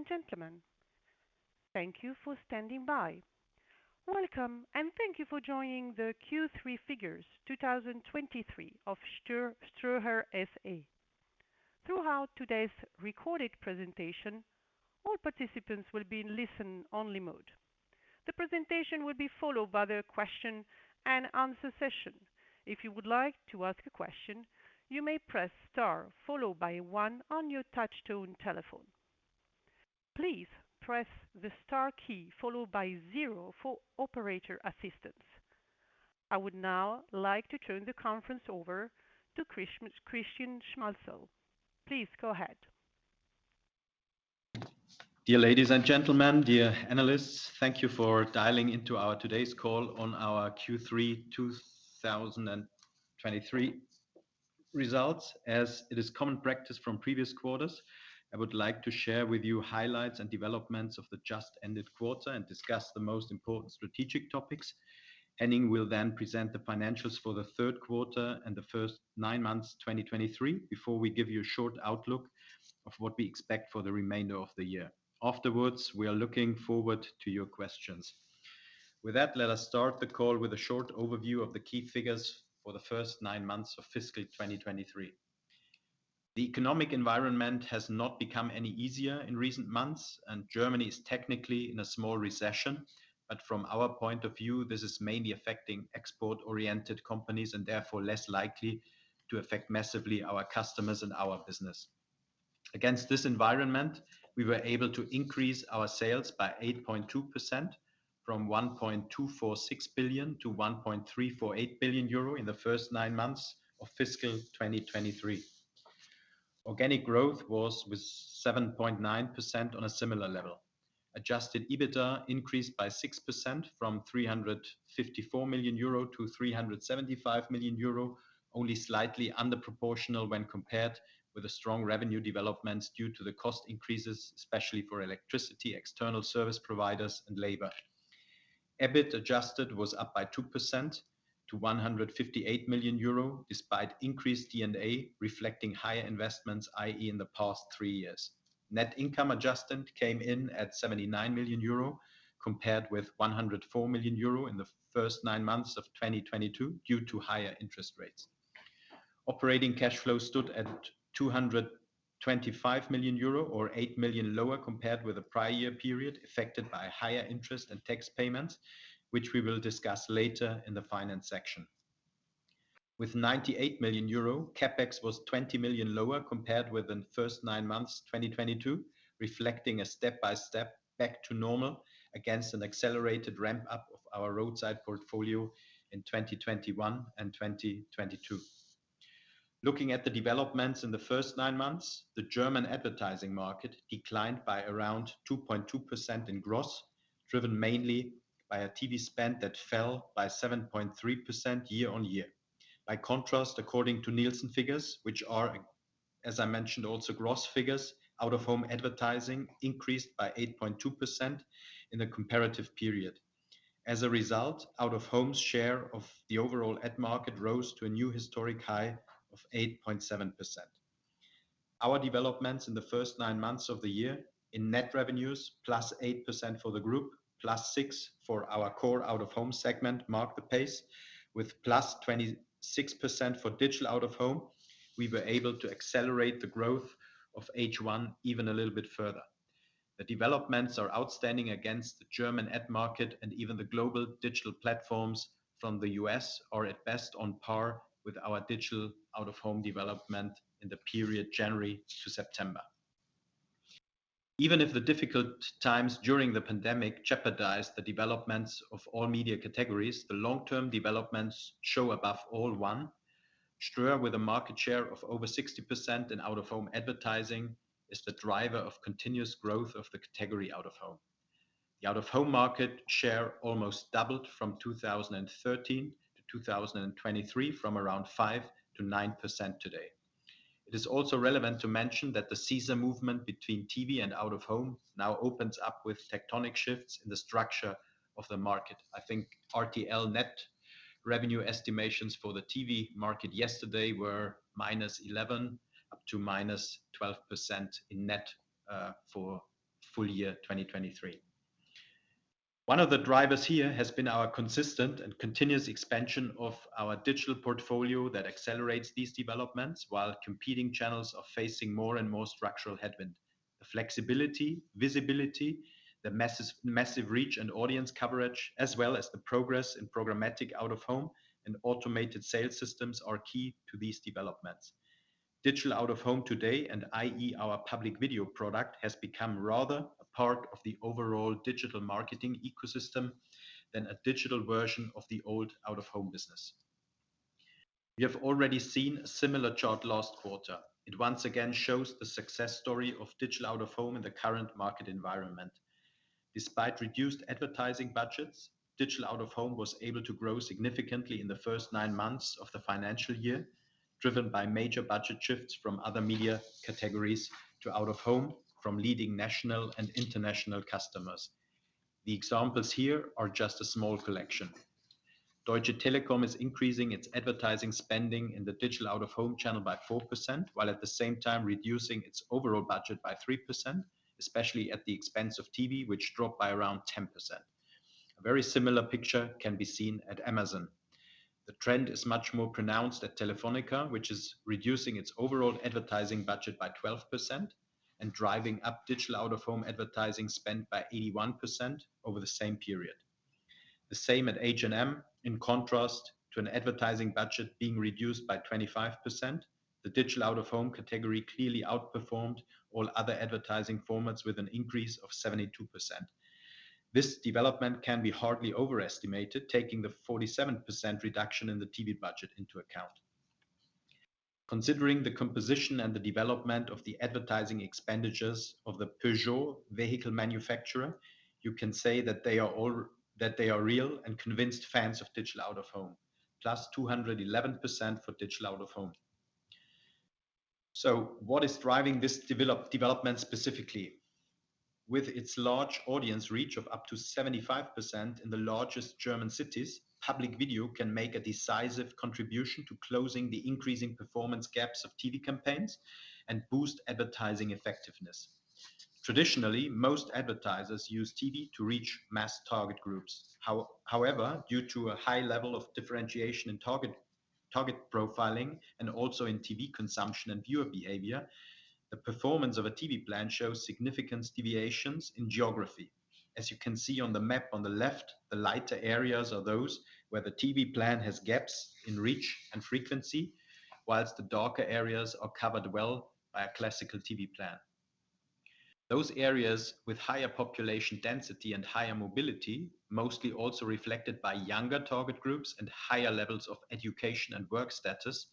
Ladies and gentlemen, thank you for standing by. Welcome, and thank you for joining the Q3 figures 2023 of Ströer SE. Throughout today's recorded presentation, all participants will be in listen-only mode. The presentation will be followed by the question and answer session. If you would like to ask a question, you may press star followed by one on your touchtone telephone. Please press the star key followed by zero for operator assistance. I would now like to turn the conference over to Christian Schmalzl. Please go ahead. Dear ladies and gentlemen, dear analysts, thank you for dialing into our today's call on our Q3 2023 results. As it is common practice from previous quarters, I would like to share with you highlights and developments of the just ended quarter and discuss the most important strategic topics. Henning will then present the financials for the third quarter and the first nine months 2023, before we give you a short outlook of what we expect for the remainder of the year. Afterwards, we are looking forward to your questions. With that, let us start the call with a short overview of the key figures for the first nine months of fiscal 2023. The economic environment has not become any easier in recent months, and Germany is technically in a small recession, but from our point of view, this is mainly affecting export-oriented companies and therefore less likely to affect massively our customers and our business. Against this environment, we were able to increase our sales by 8.2% from 1.246 billion to 1.348 billion euro in the first nine months of fiscal 2023. Organic growth was 7.9% on a similar level. Adjusted EBITDA increased by 6% from 354 million euro to 375 million euro, only slightly under proportional when compared with the strong revenue developments due to the cost increases, especially for electricity, external service providers and labor. EBIT adjusted was up by 2% to 158 million euro, despite increased D&A, reflecting higher investments, i.e., in the past three years. Net income adjustment came in at 79 million euro, compared with 104 million euro in the first nine months of 2022 due to higher interest rates. Operating cash flow stood at 225 million euro, or 8 million lower compared with the prior year period, affected by higher interest and tax payments, which we will discuss later in the finance section. With 98 million euro, CapEx was 20 million lower compared with the first nine months 2022, reflecting a step-by-step back to normal against an accelerated ramp-up of our roadside portfolio in 2021 and 2022. Looking at the developments in the first nine months, the German advertising market declined by around 2.2% in gross, driven mainly by a TV spend that fell by 7.3% year-on-year. By contrast, according to Nielsen figures, which are, as I mentioned, also gross figures, Out-of-Home advertising increased by 8.2% in the comparative period. As a result, Out-of-Home's share of the overall ad market rose to a new historic high of 8.7%. Our developments in the first nine months of the year in net revenues, +8% for the group, +6% for our core Out-of-Home segment, marked the pace. With +26% for Digital Out of Home, we were able to accelerate the growth of H1 even a little bit further. The developments are outstanding against the German ad market, and even the global digital platforms from the U.S. are at best on par with our Digital Out of Home development in the period January to September. Even if the difficult times during the pandemic jeopardized the developments of all media categories, the long-term developments show above all one: Ströer, with a market share of over 60% in Out-of-Home advertising, is the driver of continuous growth of the category Out-of-Home. The Out-of-Home market share almost doubled from 2013 to 2023, from around 5% to 9% today. It is also relevant to mention that the scissors movement between TV and Out-of-Home now opens up with tectonic shifts in the structure of the market. I think RTL net revenue estimations for the TV market yesterday were -11% up to -12% in net for full year 2023. One of the drivers here has been our consistent and continuous expansion of our digital portfolio that accelerates these developments while competing channels are facing more and more structural headwind. The flexibility, visibility, the massive reach and audience coverage, as well as the progress in programmatic Out-of-Home and automated sales systems are key to these developments. Digital Out of Home today, and i.e., our Public Video product, has become rather a part of the overall digital marketing ecosystem than a digital version of the old Out-of-Home business. We have already seen a similar chart last quarter. It once again shows the success story of Digital Out of Home in the current market environment. Despite reduced advertising budgets, Digital Out of Home was able to grow significantly in the first nine months of the financial year, driven by major budget shifts from other media categories to Out-of-Home from leading national and international customers. The examples here are just a small collection. Deutsche Telekom is increasing its advertising spending in the Digital Out of Home channel by 4%, while at the same time reducing its overall budget by 3%, especially at the expense of TV, which dropped by around 10%. A very similar picture can be seen at Amazon. The trend is much more pronounced at Telefónica, which is reducing its overall advertising budget by 12% and driving up Digital Out of Home advertising spend by 81% over the same period. The same at H&M, in contrast to an advertising budget being reduced by 25%, the Digital Out of Home category clearly outperformed all other advertising formats with an increase of 72%. This development can be hardly overestimated, taking the 47% reduction in the TV budget into account. Considering the composition and the development of the advertising expenditures of the Peugeot vehicle manufacturer, you can say that they are real and convinced fans of Digital Out of Home, +211% for Digital Out of Home. So what is driving this development specifically? With its large audience reach of up to 75% in the largest German cities, Public Video can make a decisive contribution to closing the increasing performance gaps of TV campaigns and boost advertising effectiveness. Traditionally, most advertisers use TV to reach mass target groups. However, due to a high level of differentiation in target profiling and also in TV consumption and viewer behavior, the performance of a TV plan shows significant deviations in geography. As you can see on the map on the left, the lighter areas are those where the TV plan has gaps in reach and frequency, while the darker areas are covered well by a classical TV plan. Those areas with higher population density and higher mobility, mostly also reflected by younger target groups and higher levels of education and work status,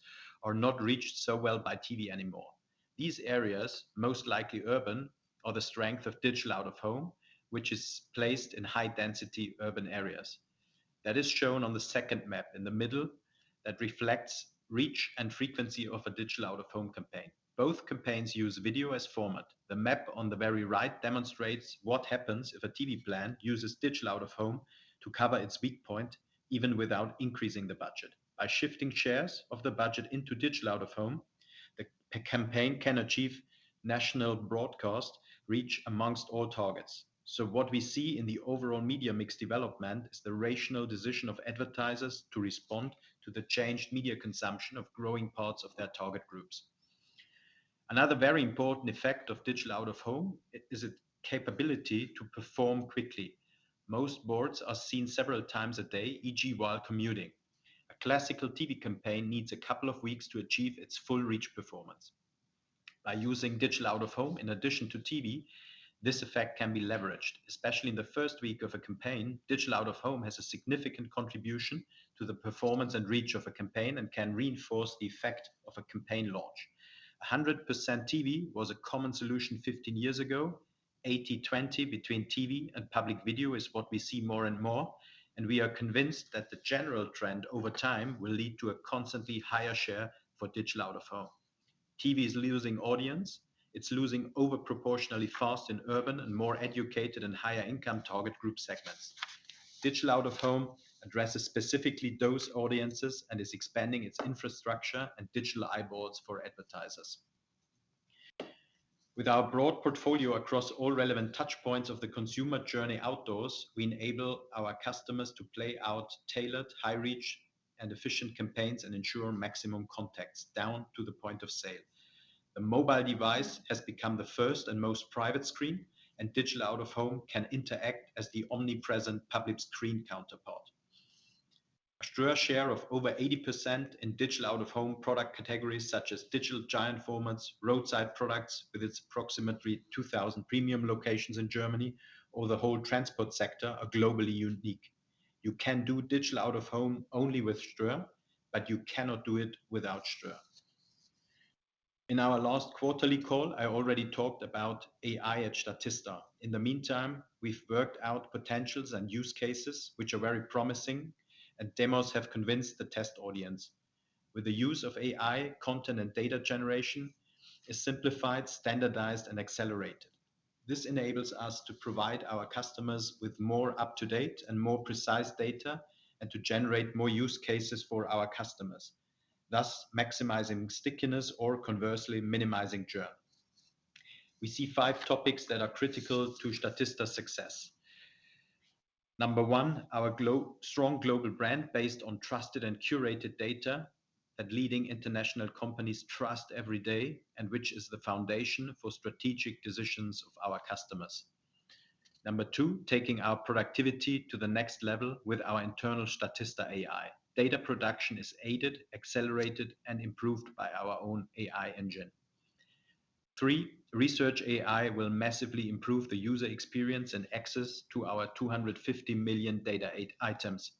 are not reached so well by TV anymore. These areas, most likely urban, are the strength of Digital Out of Home, which is placed in high-density urban areas. That is shown on the second map in the middle, that reflects reach and frequency of a Digital Out of Home campaign. Both campaigns use video as format. The map on the very right demonstrates what happens if a TV plan uses Digital Out of Home to cover its weak point, even without increasing the budget. By shifting shares of the budget into Digital Out of Home, the campaign can achieve national broadcast reach among all targets. So what we see in the overall media mix development is the rational decision of advertisers to respond to the changed media consumption of growing parts of their target groups. Another very important effect of Digital Out of Home is its capability to perform quickly. Most boards are seen several times a day, e.g., while commuting. A classical TV campaign needs a couple of weeks to achieve its full reach performance. By using Digital Out of Home in addition to TV, this effect can be leveraged. Especially in the first week of a campaign, Digital Out of Home has a significant contribution to the performance and reach of a campaign and can reinforce the effect of a campaign launch. 100% TV was a common solution 15 years ago. 80%, 20% between TV and Public Video is what we see more and more, and we are convinced that the general trend over time will lead to a constantly higher share for Digital Out of Home. TV is losing audience. It's losing over proportionally fast in urban and more educated and higher income target group segments. Digital Out of Home addresses specifically those audiences and is expanding its infrastructure and digital high boards for advertisers. With our broad portfolio across all relevant touch points of the consumer journey outdoors, we enable our customers to play out tailored, high reach, and efficient campaigns and ensure maximum contacts down to the point of sale. The mobile device has become the first and most private screen, and Digital Out of Home can interact as the omnipresent public screen counterpart. Ströer share of over 80% in Digital Out of Home product categories, such as digital giant formats, roadside products, with its approximately 2,000 premium locations in Germany, or the whole transport sector, are globally unique. You can do Digital Out of Home only with Ströer, but you cannot do it without Ströer. In our last quarterly call, I already talked about AI at Statista. In the meantime, we've worked out potentials and use cases which are very promising, and demos have convinced the test audience. With the use of AI, content and data generation is simplified, standardized, and accelerated. This enables us to provide our customers with more up-to-date and more precise data, and to generate more use cases for our customers, thus maximizing stickiness or conversely, minimizing churn. We see five topics that are critical to Statista's success. Number one, our strong global brand, based on trusted and curated data that leading international companies trust every day, and which is the foundation for strategic decisions of our customers. Number two, taking our productivity to the next level with our internal Statista AI. Data production is aided, accelerated, and improved by our own AI engine. Three, research AI will massively improve the user experience and access to our 250 million data items.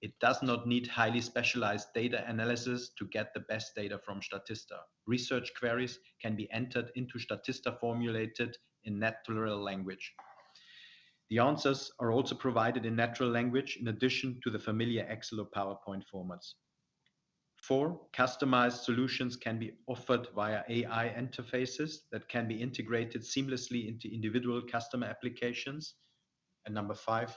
It does not need highly specialized data analysis to get the best data from Statista. Research queries can be entered into Statista, formulated in natural language. The answers are also provided in natural language in addition to the familiar Excel or PowerPoint formats. Four, customized solutions can be offered via AI interfaces that can be integrated seamlessly into individual customer applications. Number five,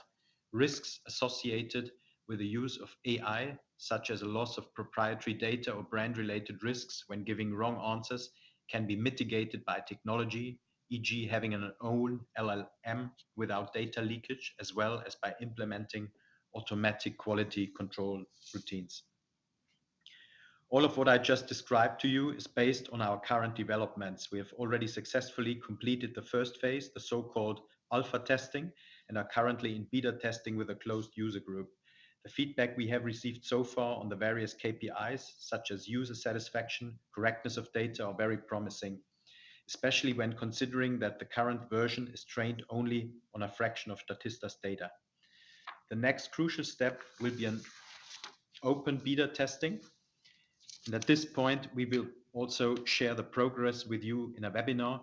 risks associated with the use of AI, such as a loss of proprietary data or brand-related risks when giving wrong answers, can be mitigated by technology, e.g., having an own LLM without data leakage, as well as by implementing automatic quality control routines. All of what I just described to you is based on our current developments. We have already successfully completed the first phase, the so-called alpha testing, and are currently in beta testing with a closed user group. The feedback we have received so far on the various KPIs, such as user satisfaction, correctness of data, are very promising, especially when considering that the current version is trained only on a fraction of Statista's data. The next crucial step will be an open beta testing, and at this point, we will also share the progress with you in a webinar.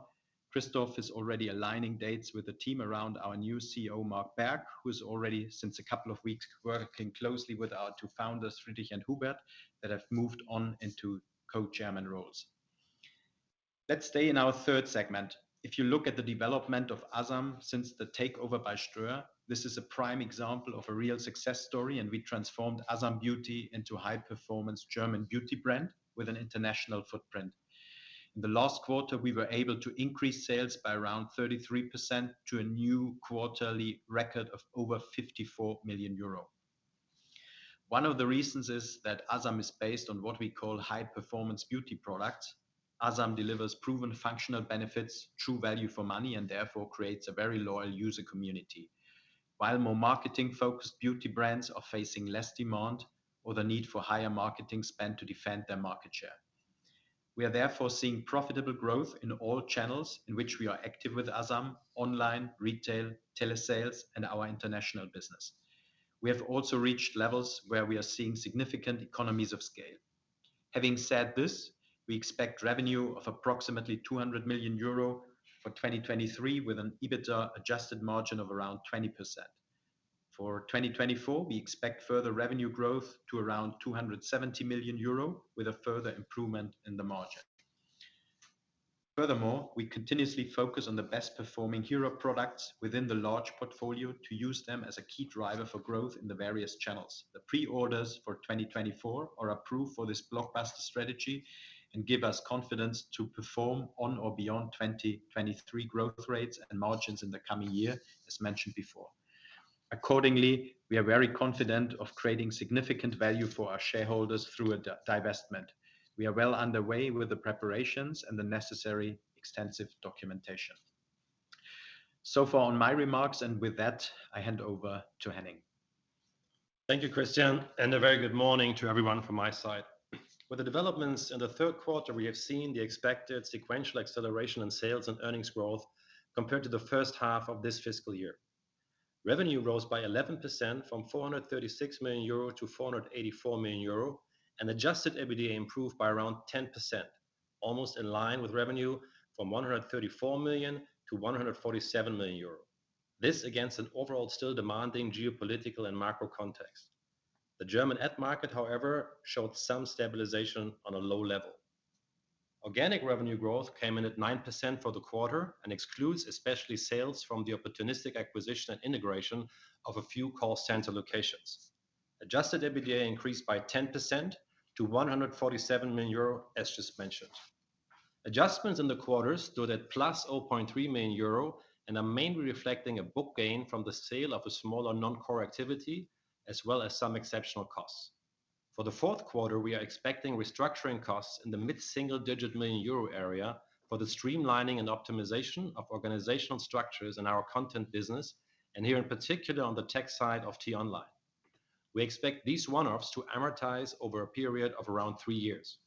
Christoph is already aligning dates with the team around our new CEO, Marc Berg, who is already, since a couple of weeks, working closely with our two founders, Friedrich and Hubert, that have moved on into Co-Chairman roles. Let's stay in our third segment. If you look at the development of Asam since the takeover by Ströer, this is a prime example of a real success story, and we transformed Asambeauty into a high-performance German beauty brand with an international footprint. In the last quarter, we were able to increase sales by around 33% to a new quarterly record of over 54 million euro. One of the reasons is that Asam is based on what we call high-performance beauty products. Asam delivers proven functional benefits, true value for money, and therefore creates a very loyal user community. While more marketing-focused beauty brands are facing less demand or the need for higher marketing spend to defend their market share. We are therefore seeing profitable growth in all channels in which we are active with Asambeauty: online, retail, telesales, and our international business. We have also reached levels where we are seeing significant economies of scale. Having said this, we expect revenue of approximately 200 million euro for 2023, with an adjusted EBITDA margin of around 20%. For 2024, we expect further revenue growth to around 270 million euro, with a further improvement in the margin. Furthermore, we continuously focus on the best-performing hero products within the large portfolio to use them as a key driver for growth in the various channels. The pre-orders for 2024 are approved for this blockbuster strategy and give us confidence to perform on or beyond 2023 growth rates and margins in the coming year, as mentioned before. Accordingly, we are very confident of creating significant value for our shareholders through a divestment. We are well underway with the preparations and the necessary extensive documentation. So far on my remarks, and with that, I hand over to Henning. Thank you, Christian, and a very good morning to everyone from my side. With the developments in the third quarter, we have seen the expected sequential acceleration in sales and earnings growth compared to the first half of this fiscal year. Revenue rose by 11% from 436 million euro to 484 million euro, and adjusted EBITDA improved by around 10%, almost in line with revenue from 134 million to 147 million euro. This against an overall still demanding geopolitical and macro context. The German ad market, however, showed some stabilization on a low level. Organic revenue growth came in at 9% for the quarter and excludes, especially sales from the opportunistic acquisition and integration of a few call center locations. Adjusted EBITDA increased by 10% to 147 million euro, as just mentioned. Adjustments in the quarter stood at +0.3 million euro and are mainly reflecting a book gain from the sale of a smaller non-core activity, as well as some exceptional costs. For the fourth quarter, we are expecting restructuring costs in the mid-single-digit million EUR area for the streamlining and optimization of organizational structures in our content business, and here, in particular, on the tech side of T-Online. We expect these one-offs to amortize over a period of around three years.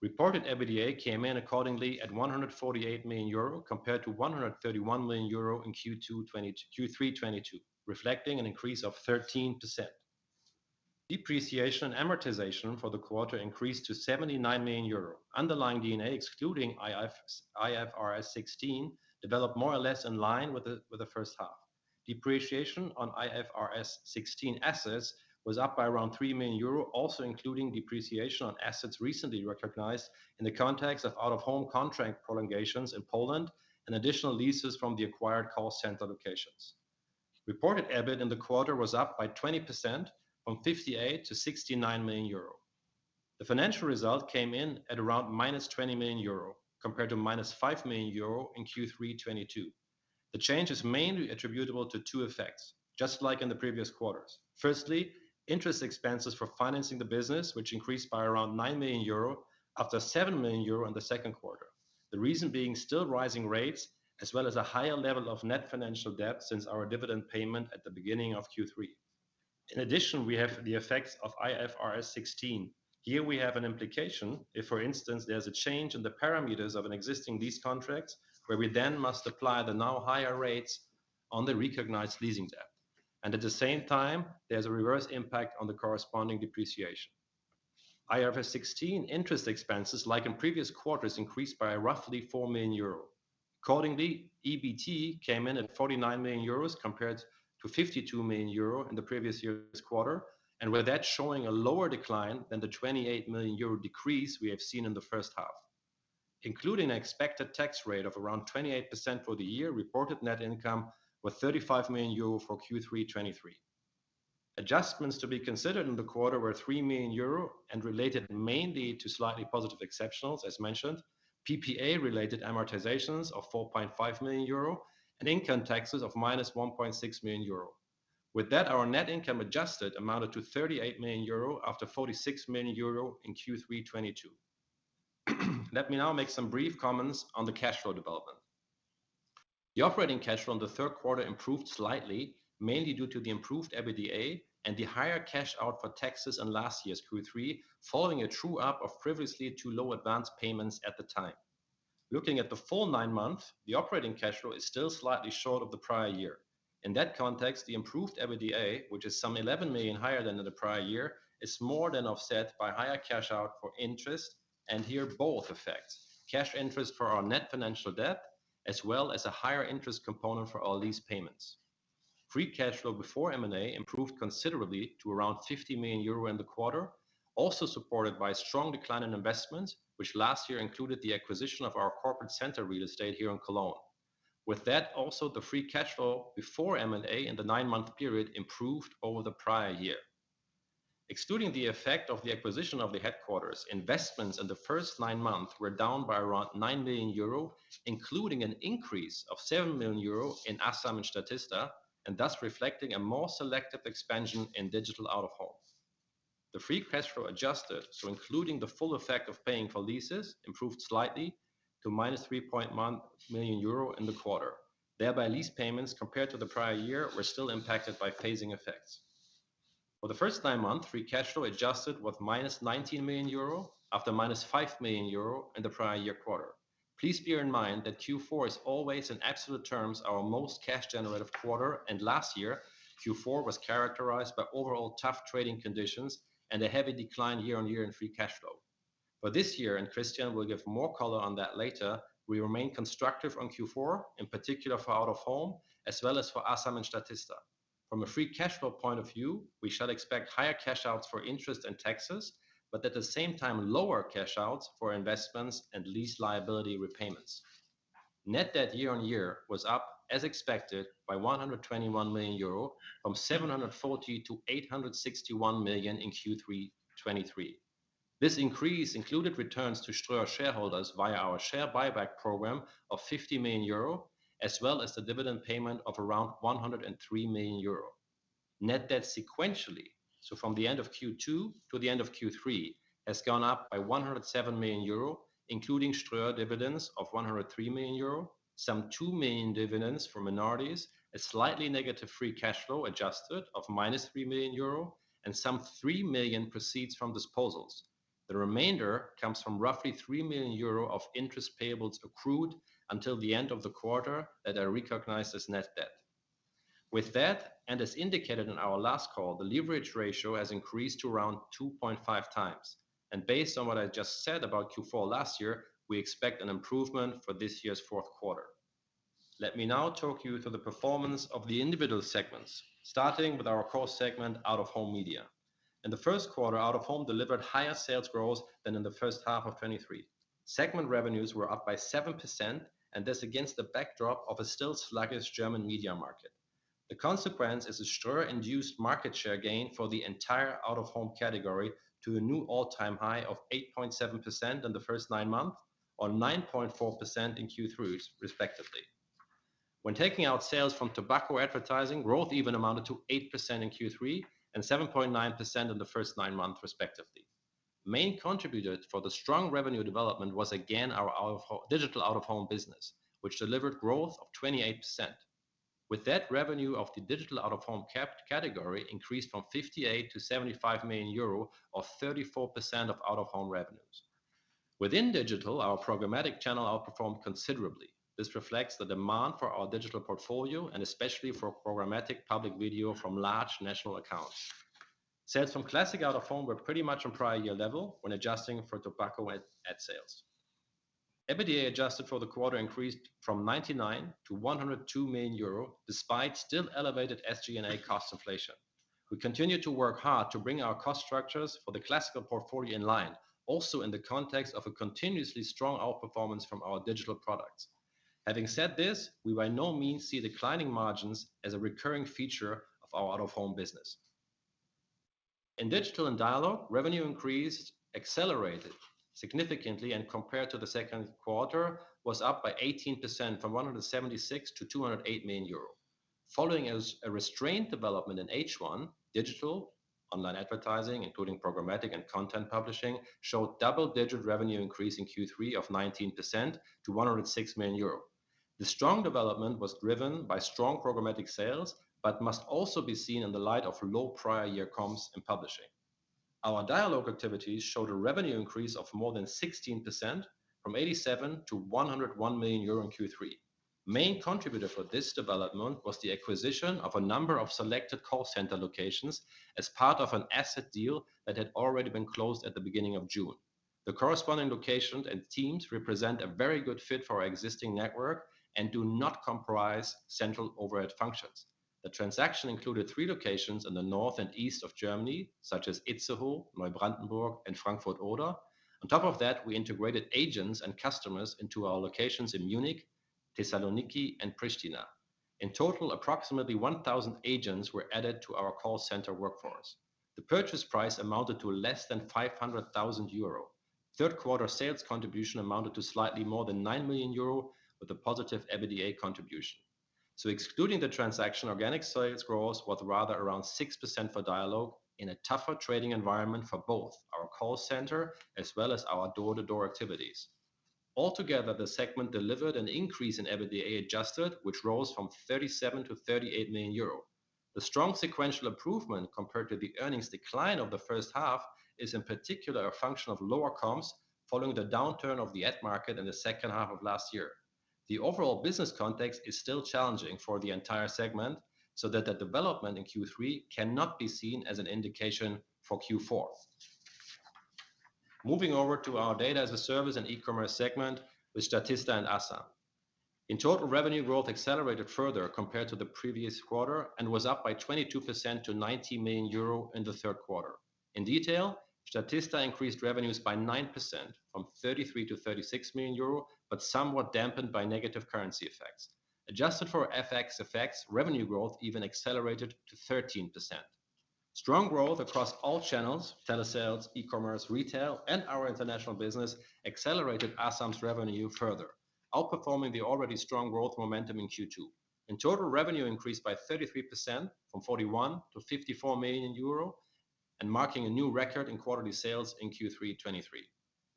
Reported EBITDA came in accordingly at 148 million euro, compared to 131 million euro in Q3 2022, reflecting an increase of 13%. Depreciation and amortization for the quarter increased to 79 million euro. Underlying EBITDA, excluding IFRS 16, developed more or less in line with the first half. Depreciation on IFRS 16 assets was up by around 3 million euro, also including depreciation on assets recently recognized in the context of Out-of-Home contract prolongations in Poland and additional leases from the acquired call center locations. Reported EBIT in the quarter was up by 20% from 58 million to 69 million euro. The financial result came in at around -20 million euro, compared to -5 million euro in Q3 2022. The change is mainly attributable to two effects, just like in the previous quarters. Firstly, interest expenses for financing the business, which increased by around 9 million euro, after 7 million euro in the second quarter. The reason being still rising rates, as well as a higher level of net financial debt since our dividend payment at the beginning of Q3. In addition, we have the effect of IFRS 16. Here we have an implication if, for instance, there's a change in the parameters of an existing lease contract, where we then must apply the now higher rates on the recognized leasing debt. And at the same time, there's a reverse impact on the corresponding depreciation. IFRS 16 interest expenses, like in previous quarters, increased by roughly 4 million euro. Accordingly, EBT came in at 49 million euros, compared to 52 million euro in the previous year's quarter, and with that showing a lower decline than the 28 million euro decrease we have seen in the first half. Including an expected tax rate of around 28% for the year, reported net income was 35 million euro for Q3 2023. Adjustments to be considered in the quarter were 3 million euro and related mainly to slightly positive exceptionals, as mentioned, PPA-related amortizations of 4.5 million euro, and income taxes of -1.6 million euro. With that, our net income adjusted amounted to 38 million euro, after 46 million euro in Q3 2022. Let me now make some brief comments on the cash flow development. The operating cash flow in the third quarter improved slightly, mainly due to the improved EBITDA and the higher cash out for taxes in last year's Q3, following a true-up of previously two low advanced payments at the time. Looking at the full nine months, the operating cash flow is still slightly short of the prior year. In that context, the improved EBITDA, which is some 11 million higher than in the prior year, is more than offset by higher cash out for interest, and here both effects: cash interest for our net financial debt, as well as a higher interest component for all lease payments. Free Cash Flow before M&A improved considerably to around 50 million euro in the quarter, also supported by a strong decline in investments, which last year included the acquisition of our corporate center real estate here in Cologne. With that, also, the Free Cash Flow before M&A in the nine-month period improved over the prior year. Excluding the effect of the acquisition of the headquarters, investments in the first nine months were down by around 9 million euro, including an increase of 7 million euro in Asam and Statista, and thus reflecting a more selective expansion in Digital Out of Home. The Free Cash Flow adjusted, so including the full effect of paying for leases, improved slightly to -3.1 million euro in the quarter. Thereby, lease payments compared to the prior year were still impacted by phasing effects. For the first nine months, Free Cash Flow adjusted was -19 million euro, after -5 million euro in the prior year quarter. Please bear in mind that Q4 is always, in absolute terms, our most cash generative quarter, and last year, Q4 was characterized by overall tough trading conditions and a heavy decline year-on-year in Free Cash Flow. For this year, and Christian will give more color on that later, we remain constructive on Q4, in particular for Out-of-Home, as well as for Asam and Statista. From a Free Cash Flow point of view, we shall expect higher cash outs for interest and taxes, but at the same time, lower cash outs for investments and lease liability repayments. Net debt year-on-year was up, as expected, by 121 million euro, from 740 million to 861 million in Q3 2023. This increase included returns to Ströer shareholders via our share buyback program of 50 million euro, as well as the dividend payment of around 103 million euro. Net debt sequentially, so from the end of Q2 to the end of Q3, has gone up by 107 million euro, including Ströer dividends of 103 million euro, some 2 million dividends from minorities, a slightly negative Free Cash Flow adjusted of -3 million euro, and some 3 million proceeds from disposals. The remainder comes from roughly 3 million euro of interest payables accrued until the end of the quarter that are recognized as net debt. With that, and as indicated in our last call, the leverage ratio has increased to around 2.5x. And based on what I just said about Q4 last year, we expect an improvement for this year's fourth quarter. Let me now talk you through the performance of the individual segments, starting with our core segment, Out-of-Home Media. In the first quarter, Out-of-Home delivered higher sales growth than in the first half of 2023. Segment revenues were up by 7%, and this against the backdrop of a still sluggish German media market. The consequence is a Ströer-induced market share gain for the entire Out-of-Home category to a new all-time high of 8.7% in the first nine months, or 9.4% in Q3, respectively. When taking out sales from tobacco advertising, growth even amounted to 8% in Q3 and 7.9% in the first nine months, respectively. Main contributor for the strong revenue development was again our Out-of-Home Digital Out of Home business, which delivered growth of 28%. With that revenue of the Digital Out of Home category increased from 58 million to 75 million euro, or 34% of Out-of-Home revenues. Within digital, our programmatic channel outperformed considerably. This reflects the demand for our digital portfolio, and especially for programmatic Public Video from large national accounts. Sales from classic Out-of-Home were pretty much on prior year level when adjusting for tobacco ad, ad sales. EBITDA adjusted for the quarter increased from 99 million to 102 million euro, despite still elevated SG&A cost inflation. We continue to work hard to bring our cost structures for the classical portfolio in line, also in the context of a continuously strong outperformance from our digital products. Having said this, we by no means see declining margins as a recurring feature of our Out-of-Home business. In digital and dialogue, revenue increase accelerated significantly, and compared to the second quarter, was up by 18% from 176 million to 208 million euro. Following a restrained development in H1, digital online advertising, including programmatic and content publishing, showed double-digit revenue increase in Q3 of 19% to 106 million euro. The strong development was driven by strong programmatic sales, but must also be seen in the light of low prior year comps in publishing. Our dialogue activities showed a revenue increase of more than 16%, from 87 million to 101 million euro in Q3. The main contributor for this development was the acquisition of a number of selected call center locations as part of an asset deal that had already been closed at the beginning of June. The corresponding locations and teams represent a very good fit for our existing network and do not comprise central overhead functions. The transaction included three locations in the north and east of Germany, such as Itzehoe, Neubrandenburg, and Frankfurt (Oder). On top of that, we integrated agents and customers into our locations in Munich, Thessaloniki, and Pristina. In total, approximately 1,000 agents were added to our call center workforce. The purchase price amounted to less than 500,000 euro. Third quarter sales contribution amounted to slightly more than 9 million euro, with a positive EBITDA contribution. So excluding the transaction, organic sales growth was rather around 6% for dialogue in a tougher trading environment for both our call center as well as our door-to-door activities. Altogether, the segment delivered an increase in adjusted EBITDA, which rose from 37 million to 38 million euro. The strong sequential improvement compared to the earnings decline of the first half is in particular a function of lower comms following the downturn of the ad market in the second half of last year. The overall business context is still challenging for the entire segment, so that the development in Q3 cannot be seen as an indication for Q4. Moving over to our data as a service and e-commerce segment with Statista and Asam. In total, revenue growth accelerated further compared to the previous quarter, and was up by 22% to 90 million euro in the third quarter. In detail, Statista increased revenues by 9%, from 33 million to 36 million euro, but somewhat dampened by negative currency effects. Adjusted for FX effects, revenue growth even accelerated to 13%. Strong growth across all channels, telesales, e-commerce, retail, and our international business, accelerated Asam's revenue further, outperforming the already strong growth momentum in Q2. In total, revenue increased by 33%, from 41 million to 54 million euro, and marking a new record in quarterly sales in Q3 2023.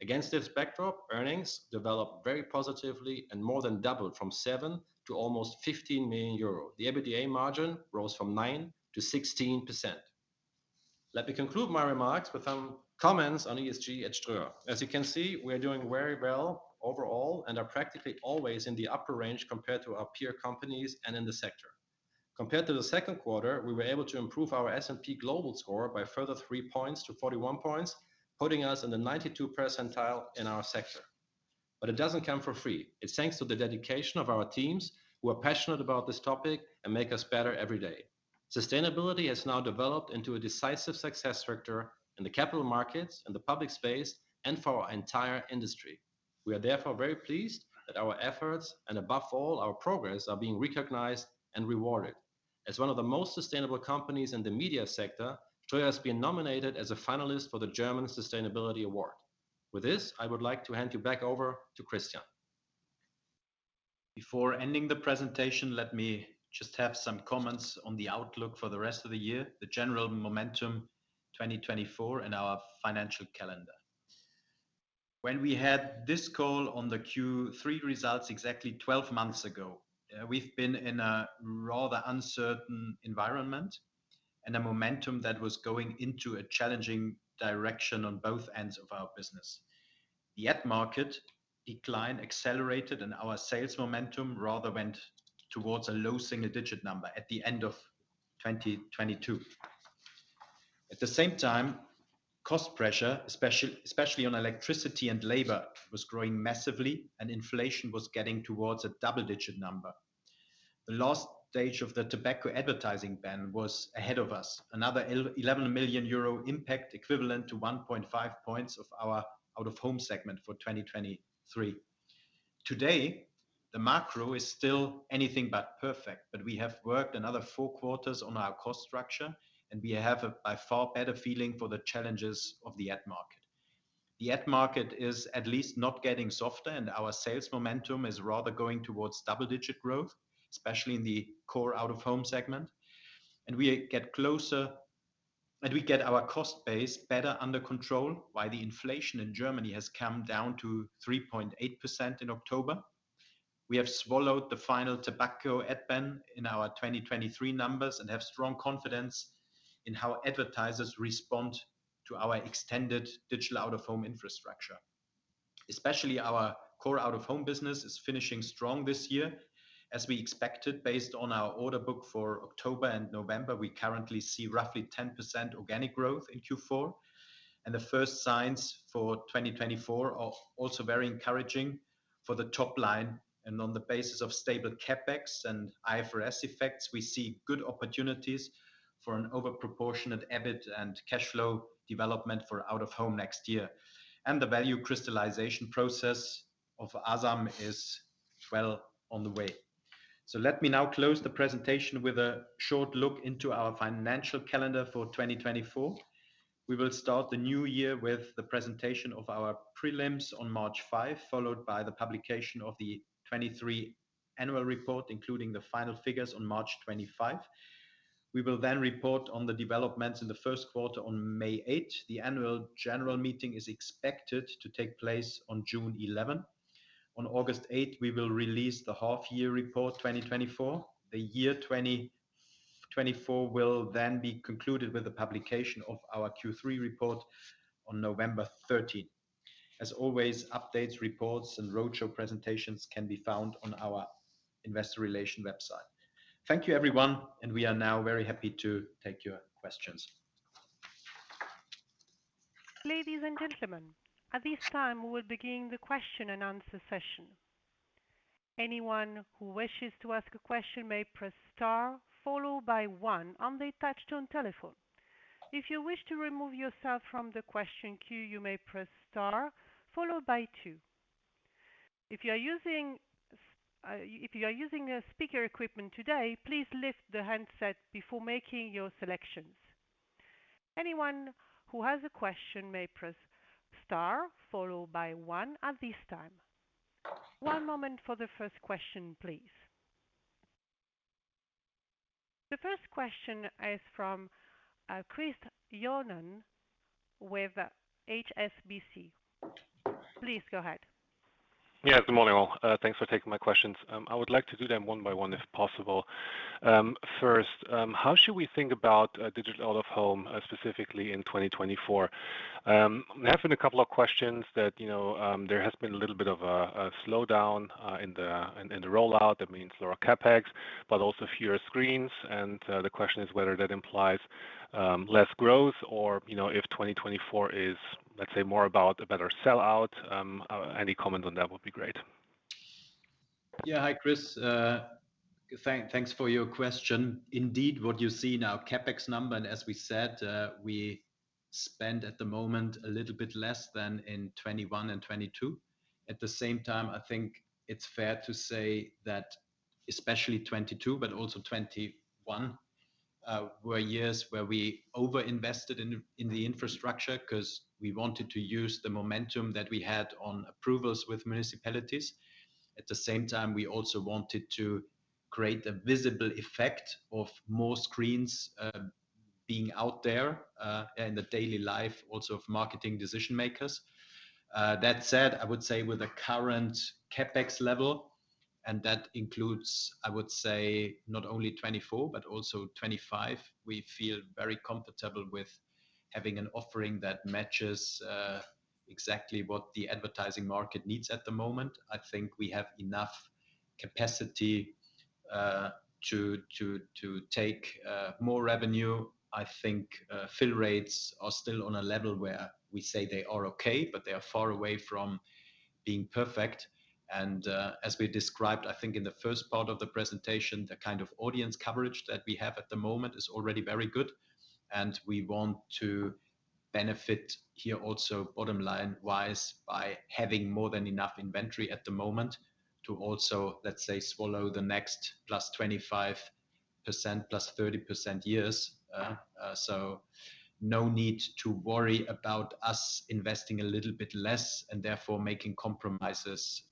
Against this backdrop, earnings developed very positively and more than doubled from 7 million to almost 15 million euro. The EBITDA margin rose from 9%-16%. Let me conclude my remarks with some comments on ESG at Ströer. As you can see, we are doing very well overall and are practically always in the upper range compared to our peer companies and in the sector. Compared to the second quarter, we were able to improve our S&P Global score by a further three points to 41 points, putting us in the 92nd percentile in our sector. But it doesn't come for free. It's thanks to the dedication of our teams, who are passionate about this topic and make us better every day. Sustainability has now developed into a decisive success factor in the capital markets and the public space, and for our entire industry. We are therefore very pleased that our efforts, and above all, our progress, are being recognized and rewarded. As one of the most sustainable companies in the media sector, Ströer has been nominated as a finalist for the German Sustainability Award. With this, I would like to hand you back over to Christian. Before ending the presentation, let me just have some comments on the outlook for the rest of the year, the general momentum 2024, and our financial calendar. When we had this call on the Q3 results exactly 12 months ago, we've been in a rather uncertain environment and a momentum that was going into a challenging direction on both ends of our business. The ad market decline accelerated, and our sales momentum rather went towards a low single-digit number at the end of 2022. At the same time, cost pressure, especially on electricity and labor, was growing massively, and inflation was getting towards a double-digit number. The last stage of the tobacco advertising ban was ahead of us, another 11 million euro impact, equivalent to 1.5 points of our Out-of-Home segment for 2023. Today, the macro is still anything but perfect, but we have worked another four quarters on our cost structure, and we have a far better feeling for the challenges of the ad market. The ad market is at least not getting softer, and our sales momentum is rather going towards double-digit growth, especially in the core Out-of-Home segment. And we get closer and we get our cost base better under control, while the inflation in Germany has come down to 3.8% in October. We have swallowed the final tobacco ad ban in our 2023 numbers and have strong confidence in how advertisers respond to our extended Digital Out of Home infrastructure. Especially our core Out-of-Home business is finishing strong this year, as we expected. Based on our order book for October and November, we currently see roughly 10% organic growth in Q4, and the first signs for 2024 are also very encouraging for the top line. On the basis of stable CapEx and IFRS effects, we see good opportunities for an overproportionate EBIT and cash flow development for Out-of-Home next year. The value crystallization process of Asam is well on the way. So let me now close the presentation with a short look into our financial calendar for 2024. We will start the new year with the presentation of our prelims on March 5, followed by the publication of the 2023 annual report, including the final figures on March 25. We will then report on the developments in the first quarter on May 8. The annual general meeting is expected to take place on June 11. On August 8, we will release the half-year report 2024. The year 2024 will then be concluded with the publication of our Q3 report on November 13. As always, updates, reports, and roadshow presentations can be found on our investor relations website. Thank you, everyone, and we are now very happy to take your questions. Ladies and gentlemen, at this time, we will begin the question-and-answer session. Anyone who wishes to ask a question may press star, followed by one on the touchtone telephone. If you wish to remove yourself from the question queue, you may press star, followed by two. If you are using speaker equipment today, please lift the handset before making your selections. Anyone who has a question may press star, followed by one at this time. One moment for the first question, please. The first question is from Chris Johnen with HSBC. Please go ahead. Yeah, good morning, all. Thanks for taking my questions. I would like to do them one by one, if possible. First, how should we think about Digital Out of Home specifically in 2024? We're having a couple of questions that, you know, there has been a little bit of a slowdown in the rollout. That means lower CapEx, but also fewer screens. And the question is whether that implies less growth or, you know, if 2024 is, let's say, more about a better sell-out. Any comment on that would be great. Yeah. Hi, Chris. Thanks for your question. Indeed, what you see now, CapEx number, and as we said, we spend at the moment a little bit less than in 2021 and 2022. At the same time, I think it's fair to say that especially 2022, but also 2021, were years where we over-invested in the infrastructure 'cause we wanted to use the momentum that we had on approvals with municipalities. At the same time, we also wanted to create a visible effect of more screens being out there in the daily life, also of marketing decision makers. That said, I would say with the current CapEx level, and that includes, I would say, not only 2024 but also 2025, we feel very comfortable with having an offering that matches exactly what the advertising market needs at the moment. I think we have enough capacity to take more revenue. I think fill rates are still on a level where we say they are okay, but they are far away from being perfect. And as we described, I think in the first part of the presentation, the kind of audience coverage that we have at the moment is already very good, and we want to benefit here also bottom line-wise, by having more than enough inventory at the moment to also, let's say, swallow the next +25%, +30% years. So no need to worry about us investing a little bit less and therefore making compromises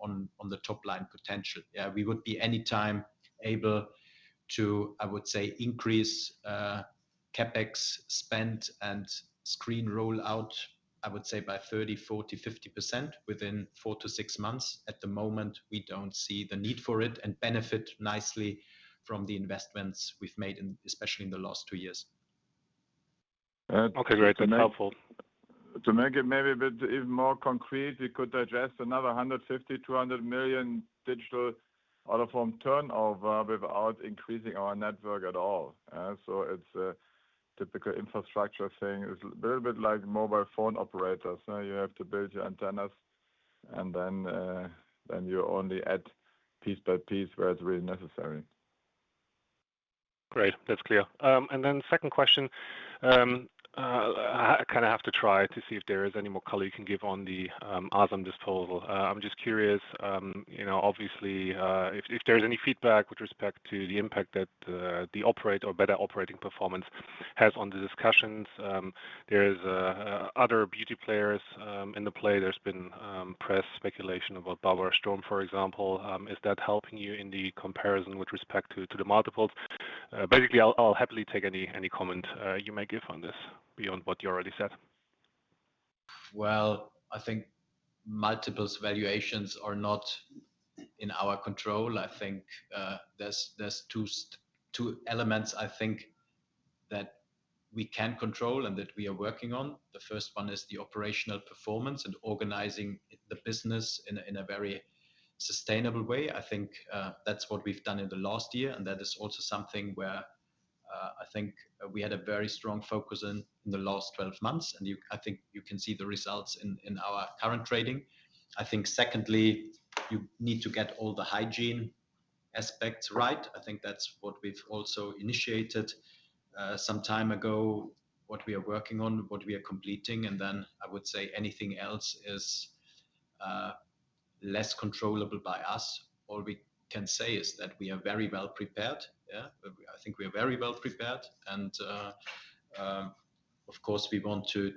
on the top line potential. Yeah, we would be any time able to, I would say, increase, CapEx spend and screen rollout, I would say, by 30%, 40%, 50% within four to six months. At the moment, we don't see the need for it and benefit nicely from the investments we've made in, especially in the last two years. Okay, great. That's helpful. To make it maybe a bit even more concrete, we could address another 150 million-200 million Digital Out of Home turnover without increasing our network at all. So it's a typical infrastructure thing. It's a little bit like mobile phone operators, huh? You have to build your antennas and then you only add piece by piece where it's really necessary. Great, that's clear. And then second question. I kind of have to try to see if there is any more color you can give on the Asambeauty. I'm just curious, you know, obviously, if there's any feedback with respect to the impact that the superior operating performance has on the discussions. There is other beauty players in play. There's been press speculation about Asambeauty, for example. Is that helping you in the comparison with respect to the multiples? Basically, I'll happily take any comment you may give on this beyond what you already said. Well, I think multiples valuations are not in our control. I think, there are two elements I think that we can control and that we are working on. The first one is the operational performance and organizing the business in a very sustainable way. I think, that's what we've done in the last year, and that is also something where, I think we had a very strong focus in the last 12 months, and I think you can see the results in our current trading. I think secondly, you need to get all the hygiene aspects right. I think that's what we've also initiated some time ago, what we are working on, what we are completing, and then I would say anything else is less controllable by us. All we can say is that we are very well prepared. Yeah, I think we are very well prepared, and, of course, we want to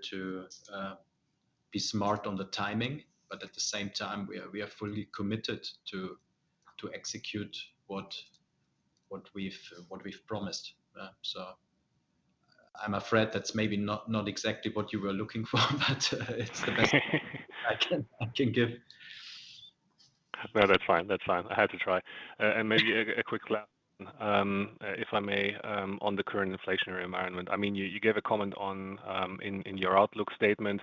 be smart on the timing, but at the same time, we are fully committed to execute what we've promised. So I'm afraid that's maybe not exactly what you were looking for, but it's the best I can give. No, that's fine, that's fine. I had to try. And maybe a quick last, if I may, on the current inflationary environment. I mean, you gave a comment on, in your outlook statement.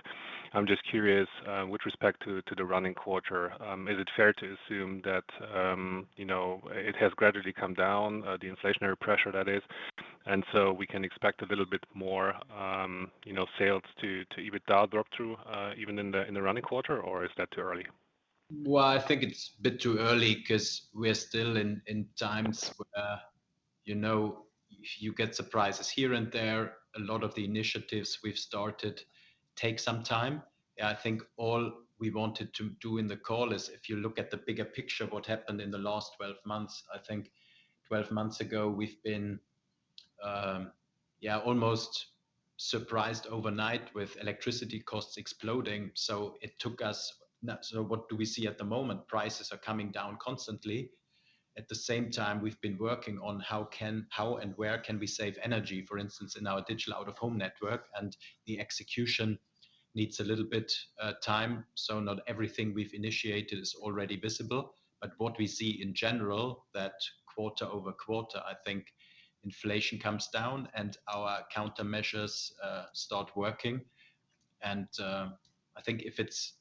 I'm just curious, with respect to the running quarter, is it fair to assume that you know, it has gradually come down, the inflationary pressure that is, and so we can expect a little bit more you know, sales to EBITDA drop through, even in the running quarter, or is that too early? Well, I think it's a bit too early 'cause we're still in, in times where, you know, you get surprises here and there. A lot of the initiatives we've started take some time. Yeah, I think all we wanted to do in the call is, if you look at the bigger picture of what happened in the last 12 months, I think 12 months ago, we've been, yeah, almost surprised overnight with electricity costs exploding, so it took us. Now, so what do we see at the moment? Prices are coming down constantly. At the same time, we've been working on how can how and where can we save energy, for instance, in our Digital Out of Home network, and the execution needs a little bit, time. So not everything we've initiated is already visible, but what we see in general, that quarter-over-quarter, I think inflation comes down and our countermeasures start working. And I think if it's,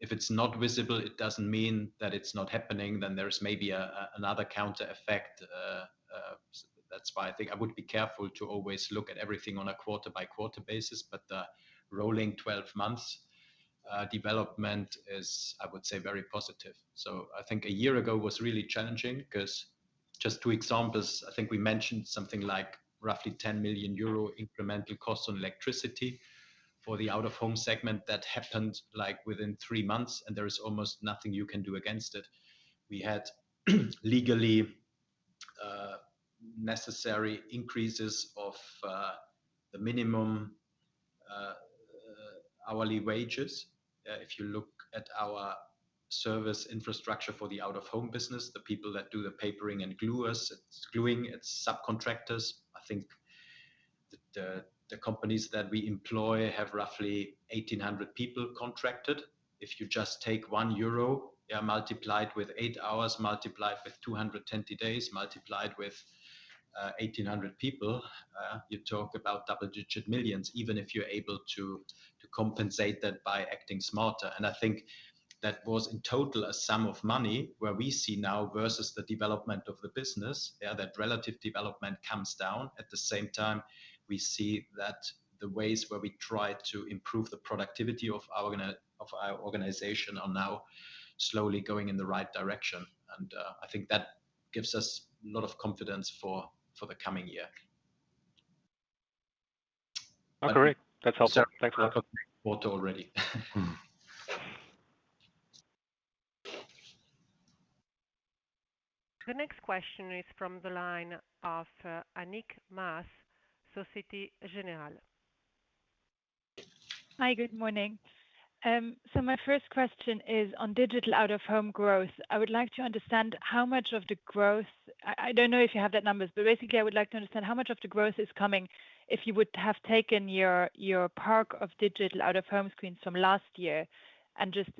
if it's not visible, it doesn't mean that it's not happening, then there's maybe a another counter effect. That's why I think I would be careful to always look at everything on a quarter-by-quarter basis, but the rolling twelve months development is, I would say, very positive. So I think a year ago was really challenging 'cause just two examples, I think we mentioned something like roughly 10 million euro incremental cost on electricity for the Out-of-Home segment that happened, like, within three months, and there is almost nothing you can do against it. We had, legally, necessary increases of the minimum hourly wages. If you look at our service infrastructure for the Out-of-Home business, the people that do the papering and gluers, it's gluing, it's subcontractors. I think the companies that we employ have roughly 1,800 people contracted. If you just take 1 euro, yeah, multiply it with eight hours, multiply it with 220 days, multiply it with 1,800 people, you talk about double-digit millions EUR, even if you're able to compensate that by acting smarter. And I think that was in total a sum of money where we see now versus the development of the business, yeah, that relative development comes down. At the same time, we see that the ways where we try to improve the productivity of our organization are now slowly going in the right direction, and I think that gives us a lot of confidence for the coming year. Agreed. That's all, sir. Thanks a lot. Water already. The next question is from the line of Annick Maas, Société Générale. Hi, good morning. So my first question is on Digital Out of Home growth. I would like to understand how much of the growth I don't know if you have that numbers, but basically, I would like to understand how much of the growth is coming, if you would have taken your park of Digital Out of Home screens from last year and just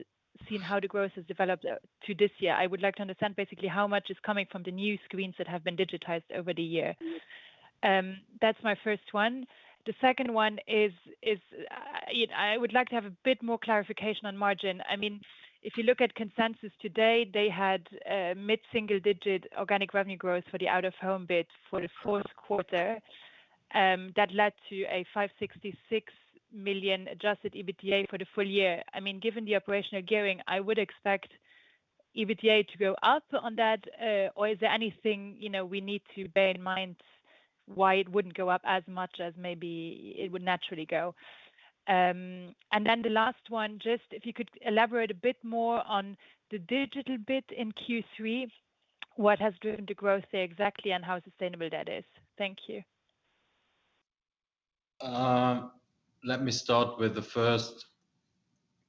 seen how the growth has developed to this year. I would like to understand basically how much is coming from the new screens that have been digitized over the year. That's my first one. The second one is, I would like to have a bit more clarification on margin. I mean, if you look at consensus today, they had a mid-single-digit organic revenue growth for the Out-of-Home bit for the fourth quarter, that led to 566 million adjusted EBITDA for the full year. I mean, given the operational gearing, I would expect EBITDA to go up on that, or is there anything, you know, we need to bear in mind why it wouldn't go up as much as maybe it would naturally go? And then the last one, just if you could elaborate a bit more on the digital bit in Q3, what has driven the growth there exactly and how sustainable that is? Thank you. Let me start with the first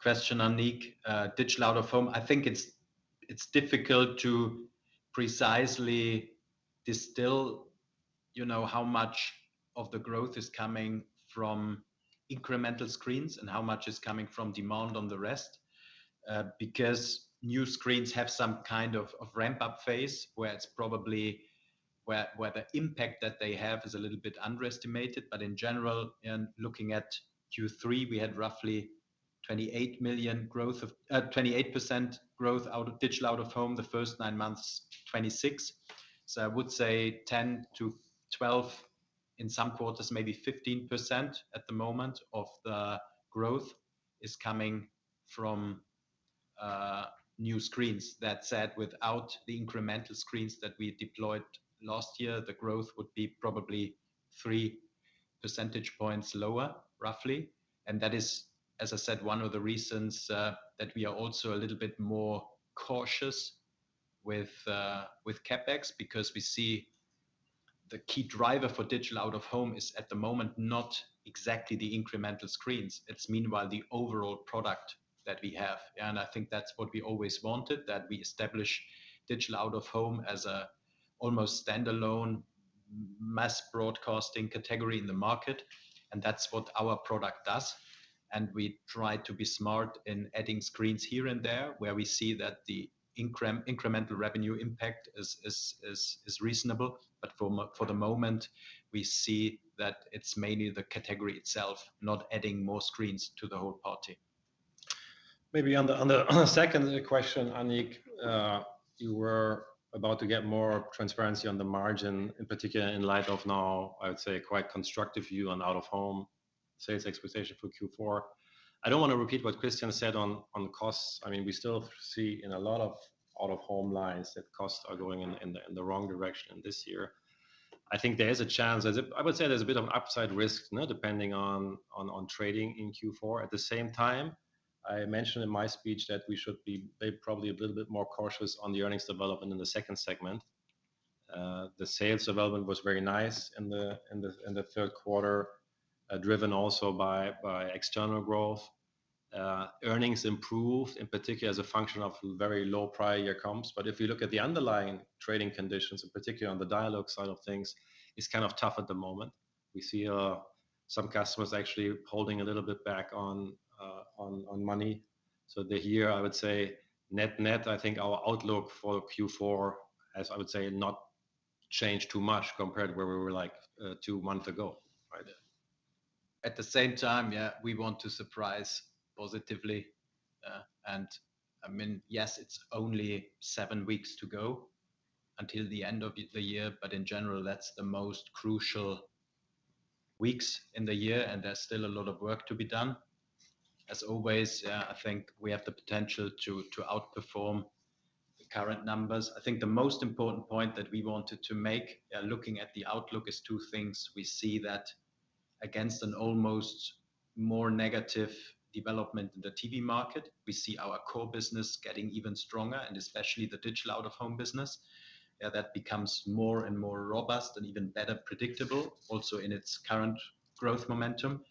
question, Annick. Digital Out of Home, I think it's difficult to precisely distill, you know, how much of the growth is coming from incremental screens and how much is coming from demand on the rest, because new screens have some kind of ramp-up phase, where it's probably where the impact that they have is a little bit underestimated. But in general, in looking at Q3, we had roughly 28 million growth of 28% growth out of Digital Out of Home, the first nine months, 26%. So I would say 10-12, in some quarters, maybe 15% at the moment of the growth is coming from new screens. That said, without the incremental screens that we deployed last year, the growth would be probably three percentage points lower, roughly, and that is, as I said, one of the reasons that we are also a little bit more cautious with CapEx, because we see the key driver for Digital Out of Home is, at the moment, not exactly the incremental screens. It's meanwhile the overall product that we have, and I think that's what we always wanted, that we establish Digital Out of Home as an almost standalone mass broadcasting category in the market, and that's what our product does. And we try to be smart in adding screens here and there, where we see that the incremental revenue impact is reasonable. But for the moment, we see that it's mainly the category itself, not adding more screens to the whole party. Maybe on the second question, Annick, you were about to get more transparency on the margin, in particular, in light of now, I would say, quite constructive view on Out-of-Home sales expectation for Q4. I don't wanna repeat what Christian said on costs. I mean, we still see in a lot of Out-of-Home lines that costs are going in the wrong direction this year. I think there is a chance, as I would say there's a bit of upside risk, you know, depending on trading in Q4. At the same time, I mentioned in my speech that we should be maybe probably a little bit more cautious on the earnings development in the second segment. The sales development was very nice in the third quarter, driven also by external growth. Earnings improved, in particular, as a function of very low prior year comps. But if you look at the underlying trading conditions, in particular on the digital side of things, it's kind of tough at the moment. We see some customers actually holding a little bit back on money. So the year, I would say, net-net, I think our outlook for Q4, as I would say, not changed too much compared to where we were, like, two months ago, right? At the same time, yeah, we want to surprise positively. And I mean, yes, it's only seven weeks to go until the end of the year, but in general, that's the most crucial weeks in the year, and there's still a lot of work to be done. As always, I think we have the potential to outperform the current numbers. I think the most important point that we wanted to make, looking at the outlook, is two things: we see that against an almost more negative development in the TV market, we see our core business getting even stronger, and especially the Digital Out of Home business, that becomes more and more robust and even better predictable, also in its current growth momentum.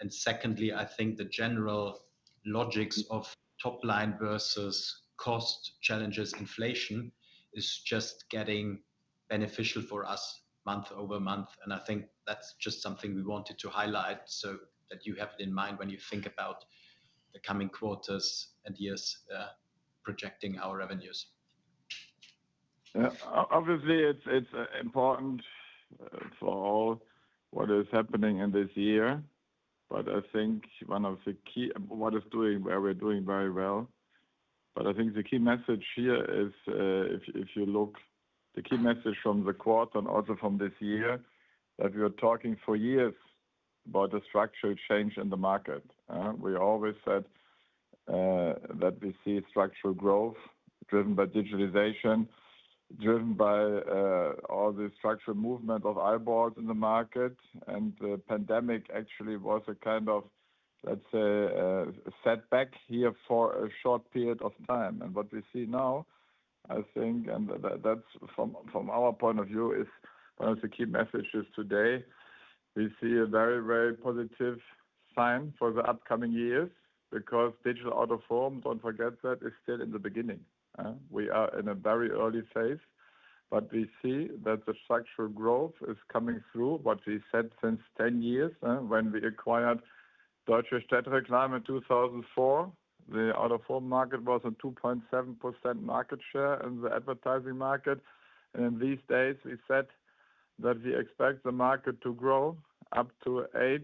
And secondly, I think the general logics of top line versus cost challenges inflation is just getting beneficial for us month over month, and I think that's just something we wanted to highlight, so that you have it in mind when you think about the coming quarters and years, projecting our revenues. Yeah. Obviously, it's important for all what is happening in this year. But I think one of the key—where we're doing very well, but I think the key message here is, if you look, the key message from the quarter and also from this year, that we are talking for years about the structural change in the market? We always said that we see structural growth driven by digitalization, driven by all the structural movement of eyeballs in the market. And the pandemic actually was a kind of, let's say, a setback here for a short period of time. And what we see now, I think, and that's from our point of view, is one of the key messages today. We see a very, very positive sign for the upcoming years, because Digital Out of Home, don't forget that, is still in the beginning. We are in a very early phase, but we see that the structural growth is coming through. What we said since 10 years, when we acquired Deutsche Städte-Medien in 2004, the Out-of-Home market was a 2.7% market share in the advertising market. And in these days, we said that we expect the market to grow up to 8%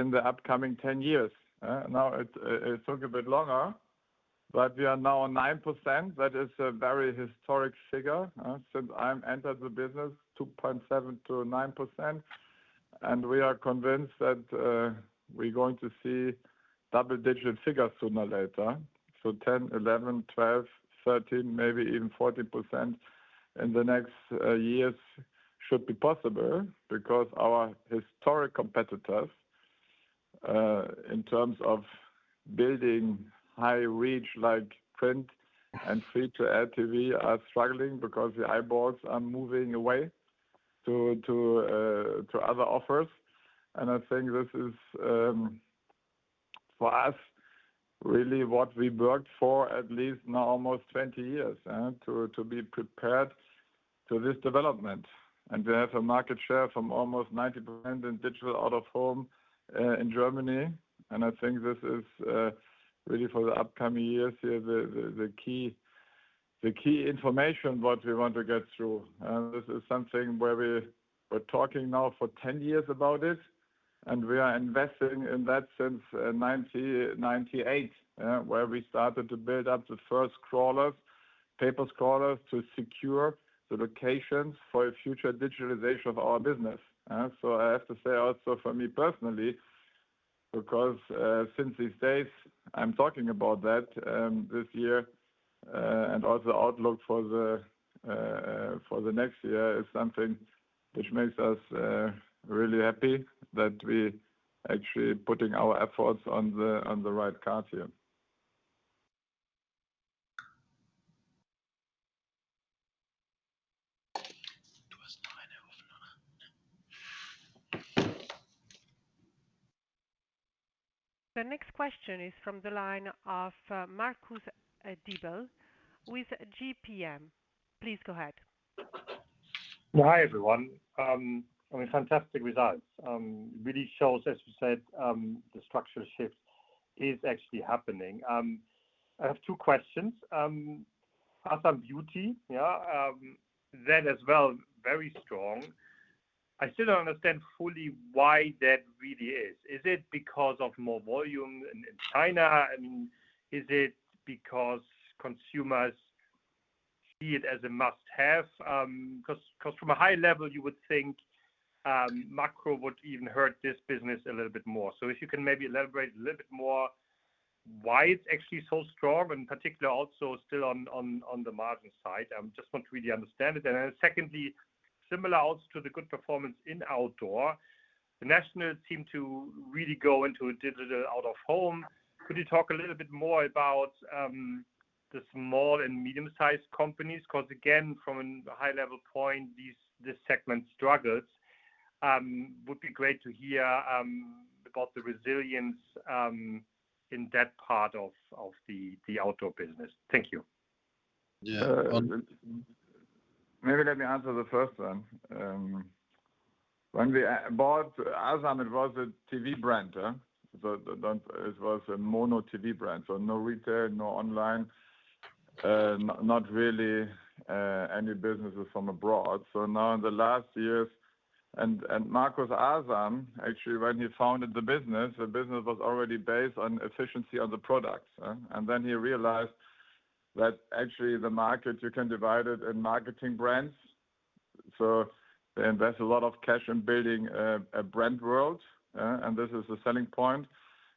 in the upcoming 10 years. Now, it took a bit longer, but we are now at 9%. That is a very historic figure, since I've entered the business, 2.7%-9%. And we are convinced that, we're going to see double-digit figures sooner or later. So 10%, 11%, 12%, 13%, maybe even 14% in the next years should be possible because our historic competitors in terms of building high reach like print and free-to-air TV are struggling because the eyeballs are moving away to other offers. And I think this is for us really what we worked for at least now almost 20 years to be prepared to this development. And we have a market share from almost 90% in Digital Out of Home in Germany, and I think this is really for the upcoming years the key information what we want to get through. This is something where we were talking now for 10 years about this, and we are investing in that since 1998, where we started to build up the first scrollers, paper scrollers, to secure the locations for a future digitalization of our business. So I have to say also for me personally, because, since these days, I'm talking about that, this year, and also outlook for the, for the next year is something which makes us really happy, that we're actually putting our efforts on the, on the right card here. The next question is from the line of Marcus Diebel with JPM. Please go ahead. Well, hi, everyone. I mean, fantastic results. Really shows, as you said, the structural shift is actually happening. I have two questions. Asambeauty, yeah, that as well, very strong. I still don't understand fully why that really is. Is it because of more volume in China? I mean, is it because consumers see it as a must-have? 'Cause from a high level, you would think macro would even hurt this business a little bit more. So if you can maybe elaborate a little bit more why it's actually so strong, in particular, also still on the margin side. Just want to really understand it. And then secondly, similar also to the good performance in outdoor, the nationals seem to really go into a Digital Out of Home. Could you talk a little bit more about the small and medium-sized companies? 'Cause again, from a high level point, this segment struggles. Would be great to hear about the resilience in that part of the outdoor business. Thank you. Yeah, um- Maybe let me answer the first one. When we bought Asam, it was a TV brand, so it was a mono TV brand, so no retail, no online, not really any businesses from abroad. So now in the last years, and Marcus Asam, actually, when he founded the business, the business was already based on efficiency of the products. And then he realized that actually the market, you can divide it in marketing brands. So they invest a lot of cash in building a brand world, and this is the selling point.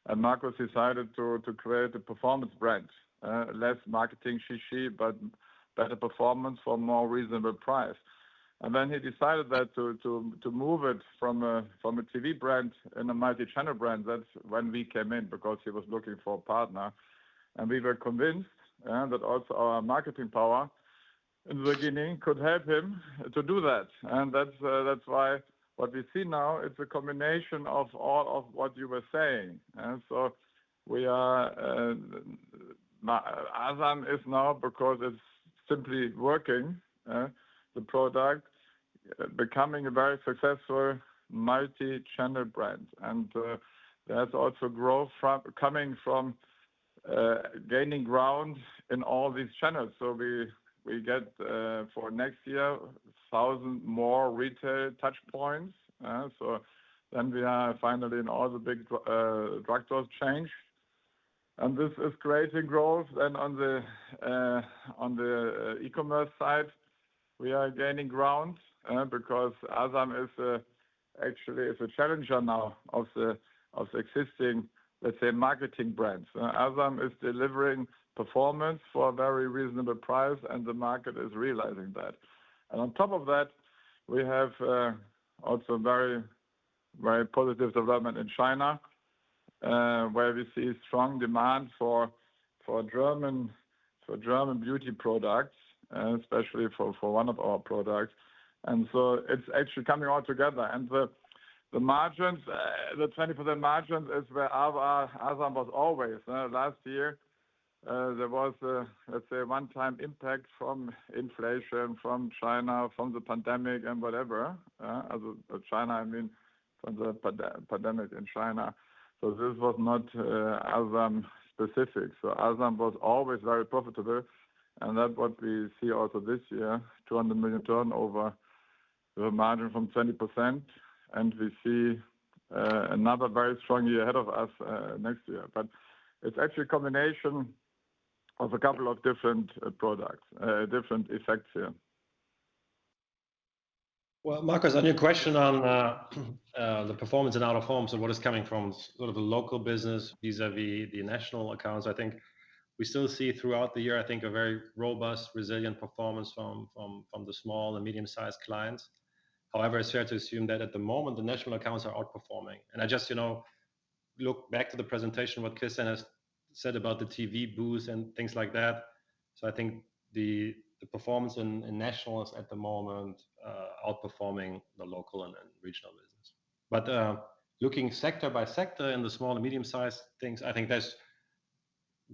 And Marcus decided to create a performance brand, less marketing shit, but better performance for a more reasonable price. Then he decided to move it from a TV brand and a multi-channel brand. That's when we came in because he was looking for a partner. We were convinced that also our marketing power in the beginning could help him to do that. That's why what we see now is a combination of all of what you were saying. So we are, Asam is now, because it's simply working, the product, becoming a very successful multi-channel brand. There's also growth coming from gaining ground in all these channels. So we get, for next year, 1,000 more retail touch points. So then we are finally in all the big drugstore chains, and this is creating growth. Then on the e-commerce side, we are gaining ground because Asam is actually a challenger now of the existing, let's say, marketing brands. Asam is delivering performance for a very reasonable price, and the market is realizing that. And on top of that, we have also very, very positive development in China where we see strong demand for German beauty products, especially for one of our products. And so it's actually coming all together. And the margins, the 20% margins is where Asam was always. Last year, there was a, let's say, a one-time impact from inflation, from China, from the pandemic and whatever. As in, by China, I mean from the pandemic in China. So this was not Asam specific. Asam was always very profitable, and that what we see also this year, 200 million turnover, the margin from 20%, and we see, another very strong year ahead of us, next year. But it's actually a combination of a couple of different, products, different effects here. Well, Marcus, on your question on the performance in Out-of-Home, so what is coming from sort of the local business vis-a-vis the national accounts, I think we still see throughout the year, I think, a very robust, resilient performance from the small and medium-sized clients. However, it's fair to assume that at the moment, the national accounts are outperforming. And I just, you know, look back to the presentation, what Christian has said about the TV booths and things like that. So I think the performance in nationals at the moment, outperforming the local and regional business. But, looking sector by sector in the small and medium-sized things, I think that's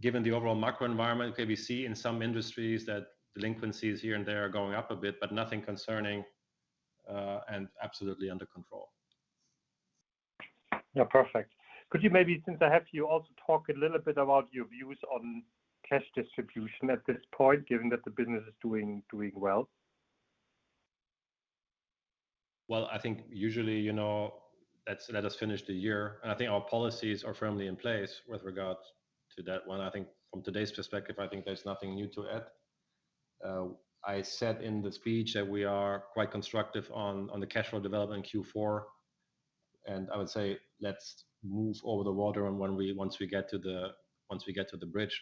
given the overall macro environment. Okay, we see in some industries that delinquencies here and there are going up a bit, but nothing concerning, and absolutely under control. Yeah, perfect. Could you maybe, since I have you, also talk a little bit about your views on cash distribution at this point, given that the business is doing well? Well, I think usually, you know, let us finish the year. I think our policies are firmly in place with regards to that one. I think from today's perspective, I think there's nothing new to add. I said in the speech that we are quite constructive on the cash flow development in Q4, and I would say let's move over the water on when we once we get to the bridge.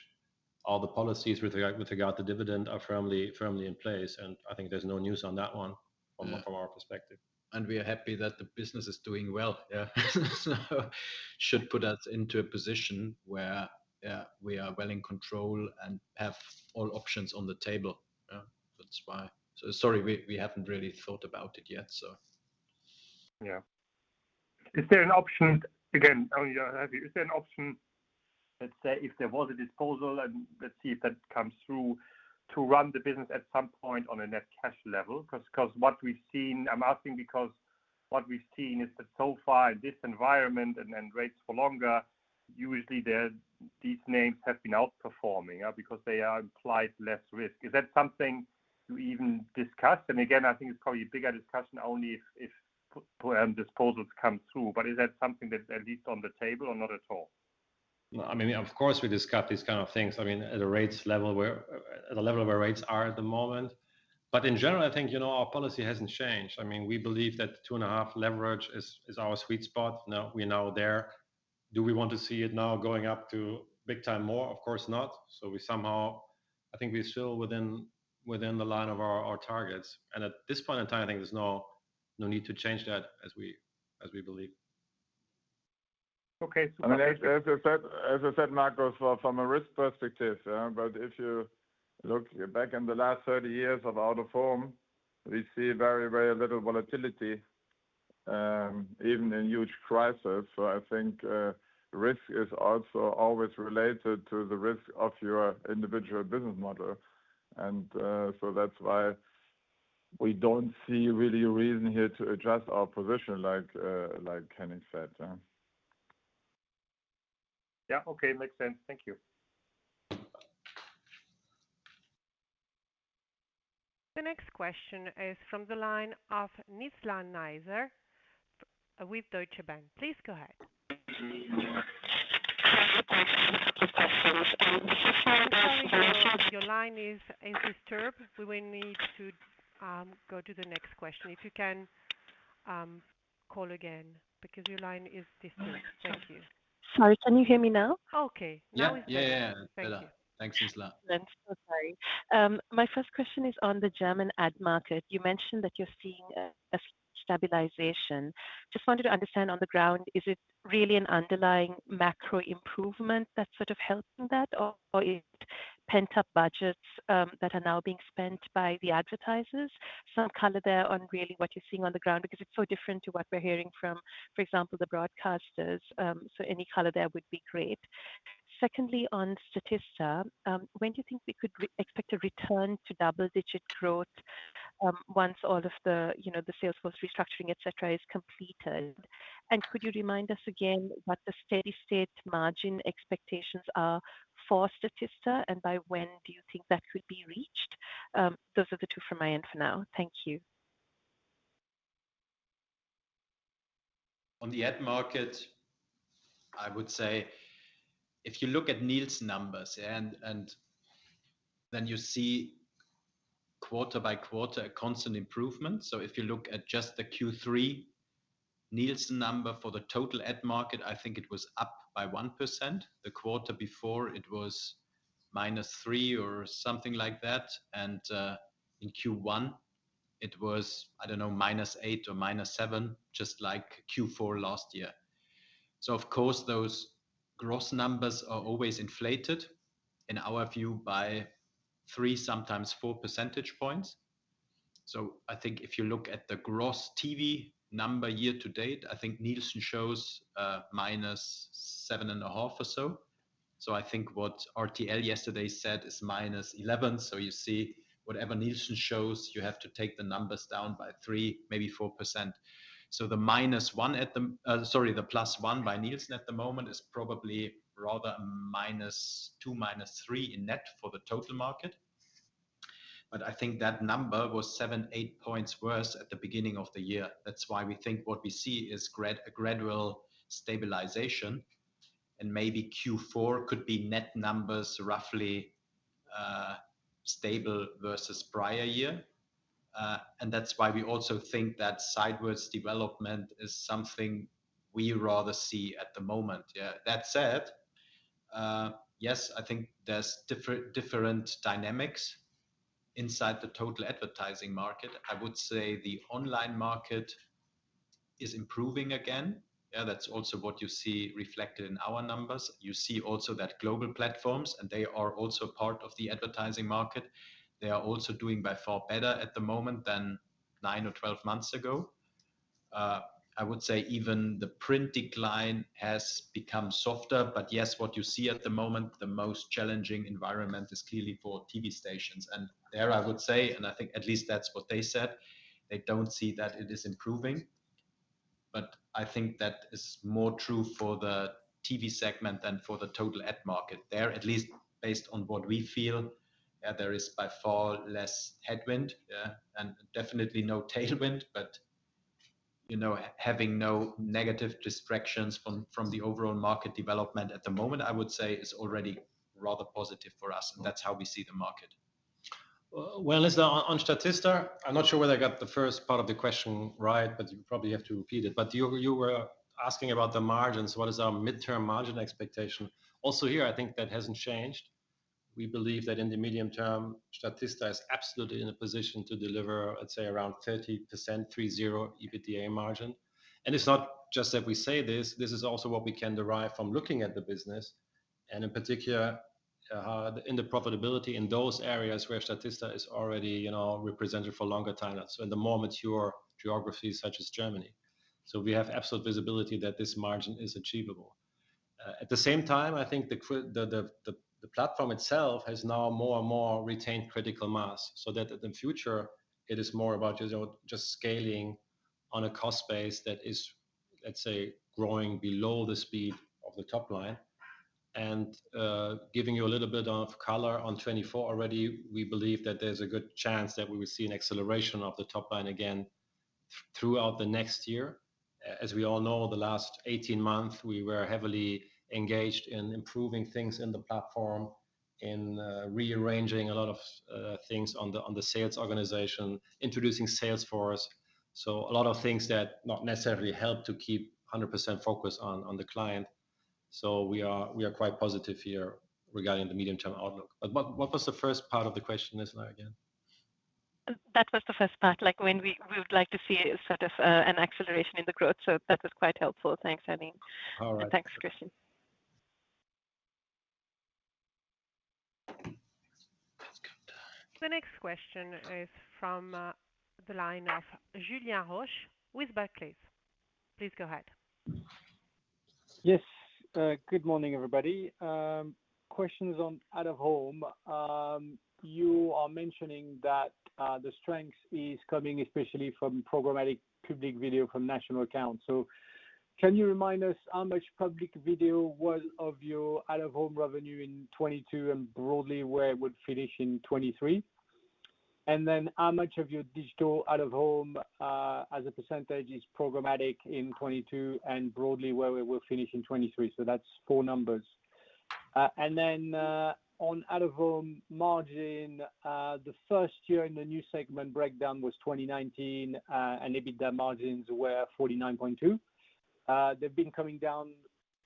All the policies with regard to the dividend are firmly in place, and I think there's no news on that one from our perspective. We are happy that the business is doing well. Yeah. So should put us into a position where, yeah, we are well in control and have all options on the table, that's why. So sorry, we, we haven't really thought about it yet, so. Yeah. Is there an option? Again, only, is there an option, let's say, if there was a disposal, and let's see if that comes through, to run the business at some point on a net cash level? 'Cause, 'cause what we've seen, I'm asking because what we've seen is that so far in this environment and, and rates for longer, usually the, these names have been outperforming, because they are implied less risk. Is that something you even discussed? And again, I think it's probably a bigger discussion only if, if, disposals come through. But is that something that's at least on the table or not at all? No, I mean, of course, we discuss these kind of things. I mean, at the rates level, where, at the level where rates are at the moment. But in general, I think, you know, our policy hasn't changed. I mean, we believe that 2.5 leverage is our sweet spot. Now, we're there. Do we want to see it now going up to big time more? Of course not. So we somehow, I think we're still within the line of our targets, and at this point in time, I think there's no need to change that as we believe. Okay. As I said, Marco, from a risk perspective, but if you look back in the last 30 years of Out-of-Home, we see very, very little volatility, even in huge crisis. So I think, risk is also always related to the risk of your individual business model, and so that's why we don't see really a reason here to adjust our position, like Henning said. Yeah, okay, makes sense. Thank you. The next question is from the line of Nizla Naizer with Deutsche Bank. Please go ahead. Your line is disturbed. We will need to go to the next question. If you can call again, because your line is disturbed. Thank you. Sorry, can you hear me now? Okay. Yeah. Now we can hear you. Yeah, yeah. Better. Thanks, Nizla. Thanks. So sorry. My first question is on the German ad market. You mentioned that you're seeing a stabilization. Just wanted to understand on the ground, is it really an underlying macro improvement that's sort of helping that, or is it pent-up budgets that are now being spent by the advertisers? Some color there on really what you're seeing on the ground, because it's so different to what we're hearing from, for example, the broadcasters. So any color there would be great. Secondly, on Statista, when do you think we could expect a return to double-digit growth, once all of the, you know, the sales force restructuring, et cetera, is completed? And could you remind us again what the steady-state margin expectations are for Statista, and by when do you think that could be reached? Those are the two from my end for now. Thank you. On the ad market, I would say if you look at Nielsen numbers and, and then you see quarter by quarter a constant improvement. So if you look at just the Q3 Nielsen number for the total ad market, I think it was up by 1%. The quarter before, it was -3% or something like that, and in Q1, it was, I don't know, -8% or -7%, just like Q4 last year. So of course, those gross numbers are always inflated, in our view, by 3 percentage points, sometimes 4 percentage points. So I think if you look at the gross TV number year to date, I think Nielsen shows minus 7.5% or so. So I think what RTL yesterday said is -11%. So you see, whatever Nielsen shows, you have to take the numbers down by 3%, maybe 4%. So the -1% at the—Sorry, the +1% by Nielsen at the moment is probably rather a -2%, -3% in net for the total market. But I think that number was 7 points, 8 points worse at the beginning of the year. That's why we think what we see is a gradual stabilization, and maybe Q4 could be net numbers, roughly, stable versus prior year. And that's why we also think that sidewards development is something we rather see at the moment. That said, yes, I think there's different dynamics inside the total advertising market. I would say the online market is improving again. Yeah, that's also what you see reflected in our numbers. You see also that global platforms, and they are also part of the advertising market, they are also doing by far better at the moment than nine or 12 months ago. I would say even the print decline has become softer. But yes, what you see at the moment, the most challenging environment is clearly for TV stations, and there, I would say, and I think at least that's what they said, they don't see that it is improving. But I think that is more true for the TV segment than for the total ad market. There, at least based on what we feel, there is by far less headwind, and definitely no tailwind, but, you know, having no negative distractions from, from the overall market development at the moment, I would say, is already rather positive for us, and that's how we see the market. Well, listen, on, on Statista, I'm not sure whether I got the first part of the question right, but you probably have to repeat it. But you, you were asking about the margins. What is our midterm margin expectation? Also here, I think that hasn't changed. We believe that in the medium term, Statista is absolutely in a position to deliver, let's say, around 30%, 30%, EBITDA margin. And it's not just that we say this, this is also what we can derive from looking at the business. And in particular, in the profitability in those areas where Statista is already, you know, represented for longer time, so in the more mature geographies such as Germany. So we have absolute visibility that this margin is achievable. At the same time, I think the platform itself has now more and more retained critical mass, so that in the future it is more about just scaling on a cost base that is, let's say, growing below the speed of the top line. And, giving you a little bit of color on 2024 already, we believe that there's a good chance that we will see an acceleration of the top line again throughout the next year. As we all know, the last 18 months, we were heavily engaged in improving things in the platform, in, rearranging a lot of, things on the, on the sales organization, introducing Salesforce. So a lot of things that not necessarily help to keep 100% focus on, on the client. So we are, we are quite positive here regarding the medium-term outlook. But what, what was the first part of the question, again? That was the first part, like when we would like to see sort of, an acceleration in the growth. So that was quite helpful. Thanks, Henning All right. Thanks, Christian. The next question is from the line of Julien Roch with Barclays. Please go ahead. Yes. Good morning, everybody. Questions on Out-of-Home. You are mentioning that the strength is coming especially from programmatic Public Video from national accounts. So can you remind us how much Public Video was of your Out-of-Home revenue in 2022, and broadly, where it would finish in 2023? And then how much of your Digital Out of Home as a percentage is programmatic in 2022 and broadly where we will finish in 2023? So that's four numbers. And then on Out-of-Home margin, the first year in the new segment breakdown was 2019, and EBITDA margins were 49.2%. They've been coming down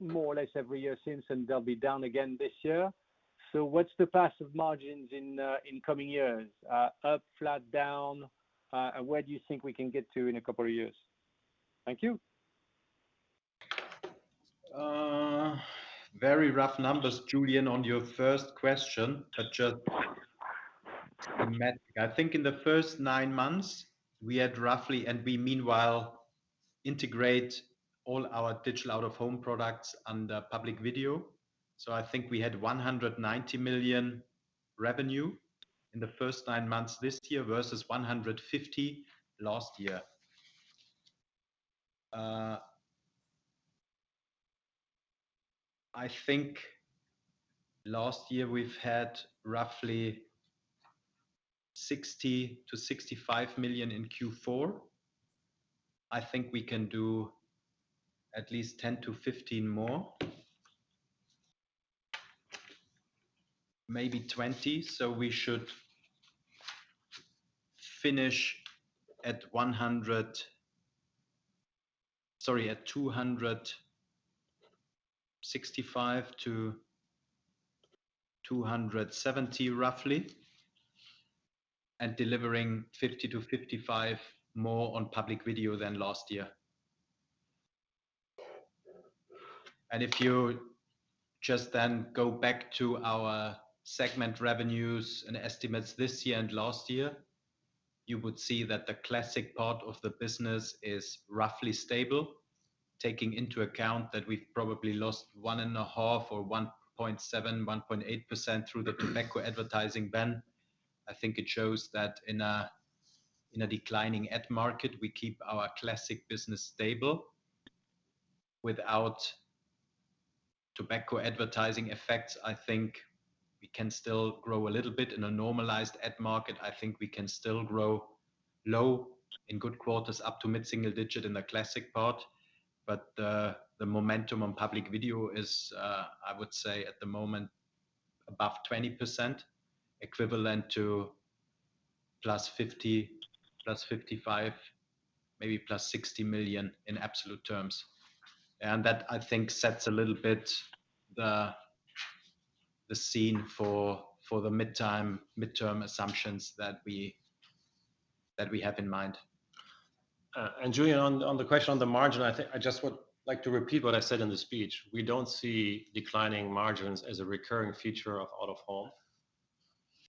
more or less every year since, and they'll be down again this year. So what's the path of margins in coming years? Up, flat, down? Where do you think we can get to in a couple of years? Thank you. Very rough numbers, Julien, on your first question, but just I think in the first nine months, we had roughly... And we meanwhile integrate all our Digital Out of Home products under Public Video. So I think we had 190 million revenue in the first nine months this year versus 150 million last year. I think last year we've had roughly 60 million- 65 million in Q4. I think we can do at least 10 million- 15 million more, maybe 20 million. So we should finish at 265 million-- sorry, at 265 million- 270 million, roughly, and delivering 50 million- 55 million more on Public Video than last year. If you just then go back to our segment revenues and estimates this year and last year, you would see that the classic part of the business is roughly stable, taking into account that we've probably lost 1.5% or 1.7%, 1.8% through the tobacco advertising ban. I think it shows that in a declining ad market, we keep our classic business stable. Without tobacco advertising effects, I think we can still grow a little bit in a normalized ad market. I think we can still grow low single-digit in good quarters, up to mid-single-digit in the classic part. But the momentum on Public Video is, I would say, at the moment, above 20%, equivalent to +50 million, +55 million, maybe +60 million in absolute terms. That, I think, sets a little bit the scene for the midterm assumptions that we have in mind. And Julien, on the question on the margin, I think I just would like to repeat what I said in the speech. We don't see declining margins as a recurring feature of Out-of-Home.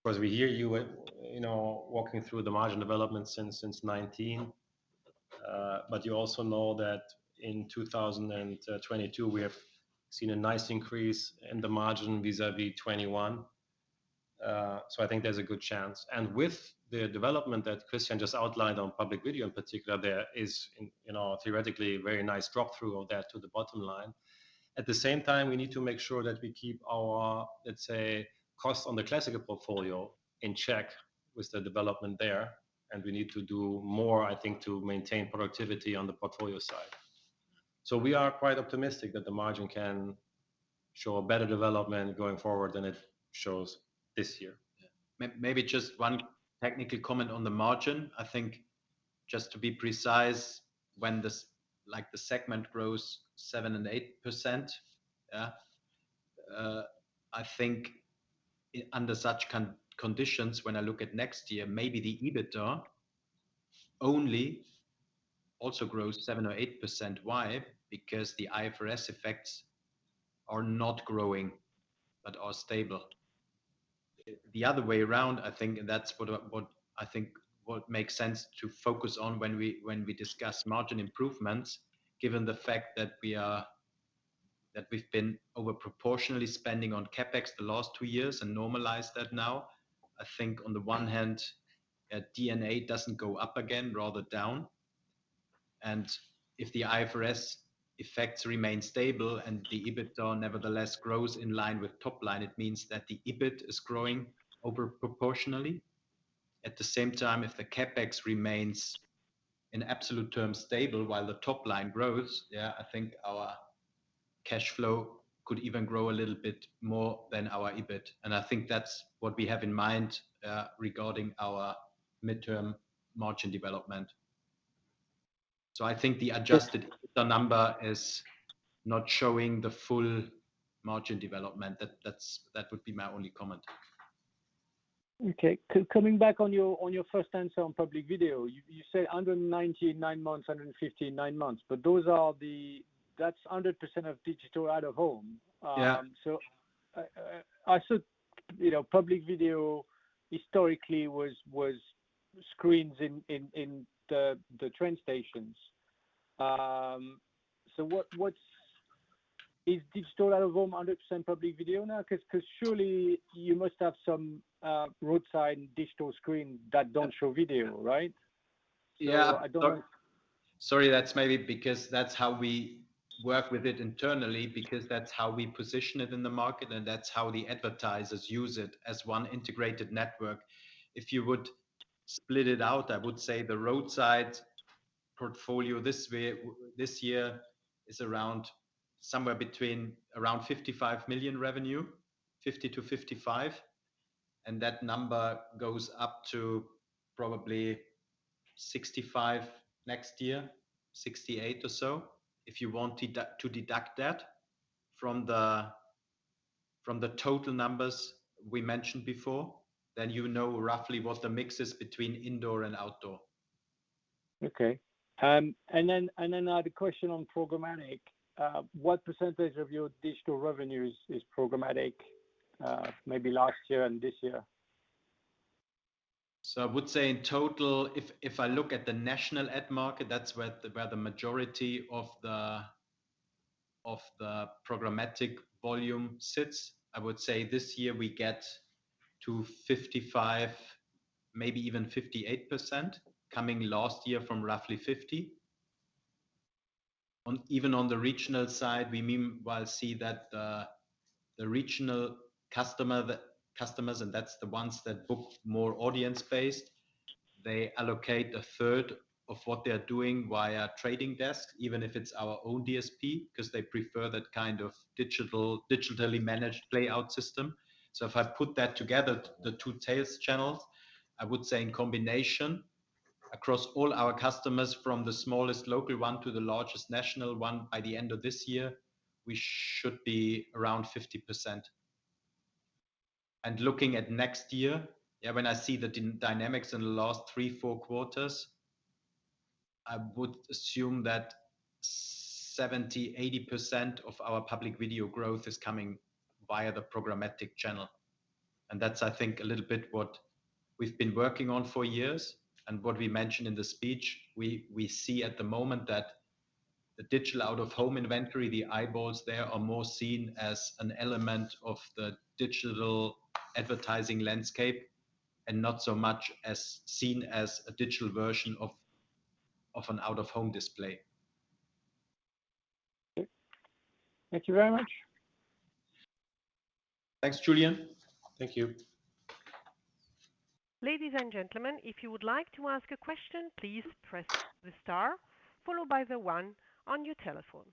'Cause we hear you, you know, walking through the margin development since 2019, but you also know that in 2022, we have seen a nice increase in the margin vis-a-vis 2021. So I think there's a good chance. And with the development that Christian just outlined on Public Video in particular, there is, you know, theoretically, a very nice drop-through of that to the bottom line. At the same time, we need to make sure that we keep our, let's say, cost on the classical portfolio in check with the development there, and we need to do more, I think, to maintain productivity on the portfolio side. So we are quite optimistic that the margin can show a better development going forward than it shows this year. Maybe just one technical comment on the margin. I think just to be precise, when this, like, the segment grows 7%, 8%, I think under such conditions, when I look at next year, maybe the EBITDA. Only also grows 7%, 8%. Why? Because the IFRS effects are not growing, but are stable. I, the other way around, I think that's what I think what makes sense to focus on when we discuss margin improvements, given the fact that we are - that we've been over proportionally spending on CapEx the last two years and normalize that now. I think on the one hand, D&A doesn't go up again, rather down, and if the IFRS effects remain stable and the EBITDA nevertheless grows in line with top line, it means that the EBIT is growing over proportionally. At the same time, if the CapEx remains in absolute terms stable while the top line grows, yeah, I think our cash flow could even grow a little bit more than our EBIT. I think that's what we have in mind regarding our midterm margin development. I think the adjusted EBITDA number is not showing the full margin development. That would be my only comment. Okay. Coming back on your first answer on Public Video, you said 199 million, 159 million, but those are the-- that's 100% of Digital Out of Home. Yeah. So, I thought, you know, Public Video historically was screens in the train stations. So, what is Digital Out of Home 100% Public Video now? 'Cause surely you must have some roadside digital screen that don't show video, right? Yeah. So I don't- Sorry, that's maybe because that's how we work with it internally, because that's how we position it in the market, and that's how the advertisers use it, as one integrated network. If you would split it out, I would say the roadside portfolio this way—this year is around somewhere between around 55 million revenue, 50 million- 55 million, and that number goes up to probably 65 million next year, 68 million or so. If you want to deduct that from the, from the total numbers we mentioned before, then you know roughly what the mix is between indoor and outdoor. Okay. And then I had a question on programmatic. What percentage of your digital revenues is programmatic, maybe last year and this year? So I would say in total, if I look at the national ad market, that's where the majority of the programmatic volume sits. I would say this year we get to 55%, maybe even 58%, coming last year from roughly 50%. Even on the regional side, we meanwhile see that the regional customer, the customers, and that's the ones that book more audience-based, they allocate a third of what they are doing via trading desk, even if it's our own DSP, 'cause they prefer that kind of digital, digitally managed playout system. So if I put that together, the two tails channels, I would say in combination across all our customers, from the smallest local one to the largest national one, by the end of this year, we should be around 50%. Looking at next year, yeah, when I see the dynamics in the last three, four quarters, I would assume that 70%-80% of our Public Video growth is coming via the programmatic channel. That's, I think, a little bit what we've been working on for years and what we mentioned in the speech. We see at the moment that the Digital Out of Home inventory, the eyeballs there are more seen as an element of the digital advertising landscape, and not so much as seen as a digital version of an Out-of-Home display. Okay. Thank you very much. Thanks, Julien. Thank you. Ladies and gentlemen, if you would like to ask a question, please press the star followed by the one on your telephone.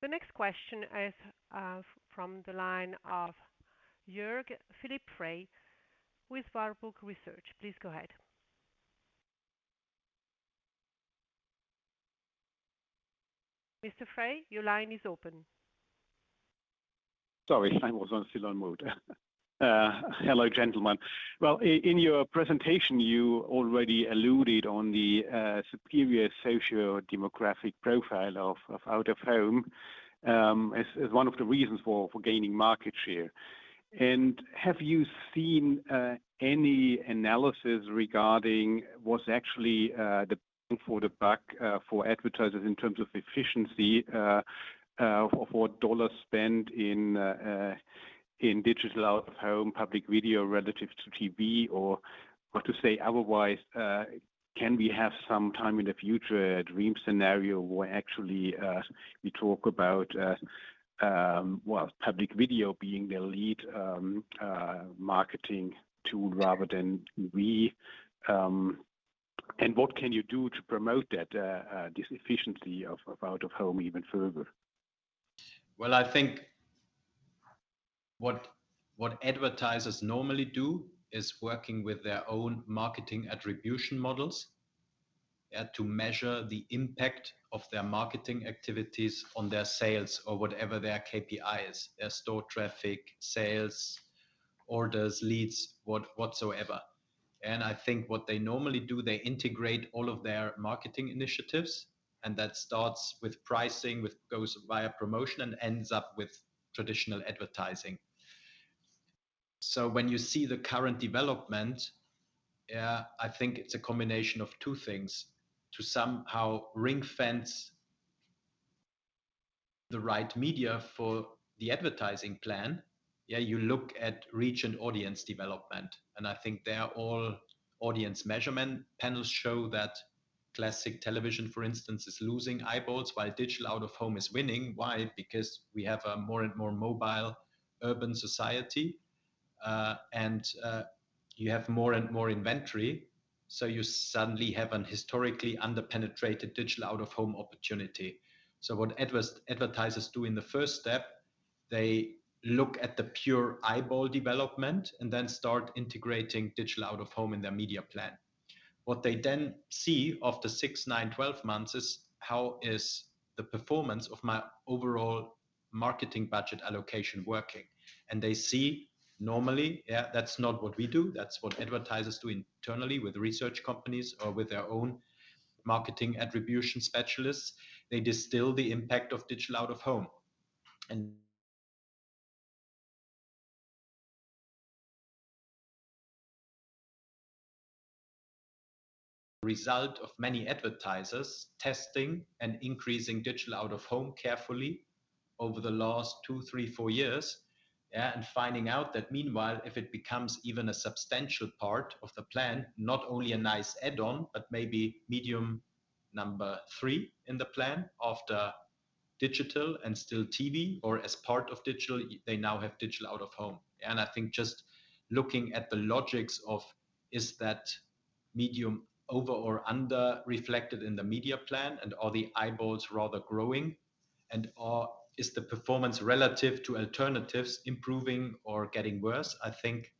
The next question is from the line of Jörg Philipp Frey with Warburg Research. Please go ahead. Mr. Frey, your line is open. Sorry, I was on silent mode. Hello, gentlemen. Well, in your presentation, you already alluded on the superior sociodemographic profile of Out-of-Home as one of the reasons for gaining market share. And have you seen any analysis regarding what's actually the bang for the buck for advertisers in terms of efficiency for dollars spent in Digital Out of Home Public Video relative to TV? Or to say otherwise, can we have some time in the future, a dream scenario where actually we talk about well, Public Video being the lead marketing tool rather than we... And what can you do to promote that this efficiency of Out-of-Home even further? Well, I think what, what advertisers normally do is working with their own marketing attribution models and to measure the impact of their marketing activities on their sales or whatever their KPI is, their store traffic, sales, orders, leads, whatsoever. And I think what they normally do, they integrate all of their marketing initiatives, and that starts with pricing, with goes via promotion, and ends up with traditional advertising. So when you see the current development, yeah, I think it's a combination of two things: to somehow ring-fence the right media for the advertising plan. Yeah, you look at reach and audience development, and I think they are all audience measurement. Panels show that classic television, for instance, is losing eyeballs, while Digital Out of Home is winning. Why? Because we have a more and more mobile urban society, and, you have more and more inventory, so you suddenly have an historically under-penetrated Digital Out of Home opportunity. So what advertisers do in the first step, they look at the pure eyeball development and then start integrating Digital Out of Home in their media plan. What they then see after six, nine, 12 months is, how is the performance of my overall marketing budget allocation working? And they see normally, yeah, that's not what we do, that's what advertisers do internally with research companies or with their own marketing attribution specialists. They distill the impact of Digital Out of Home. And result of many advertisers testing and increasing Digital Out of Home carefully over the last two, three, four years, and finding out that meanwhile, if it becomes even a substantial part of the plan, not only a nice add-on, but maybe medium number three in the plan after digital and still TV, or as part of digital, they now have Digital Out of Home. And I think just looking at the logics of, is that medium over or under-reflected in the media plan, and are the eyeballs rather growing, and is the performance relative to alternatives improving or getting worse? I think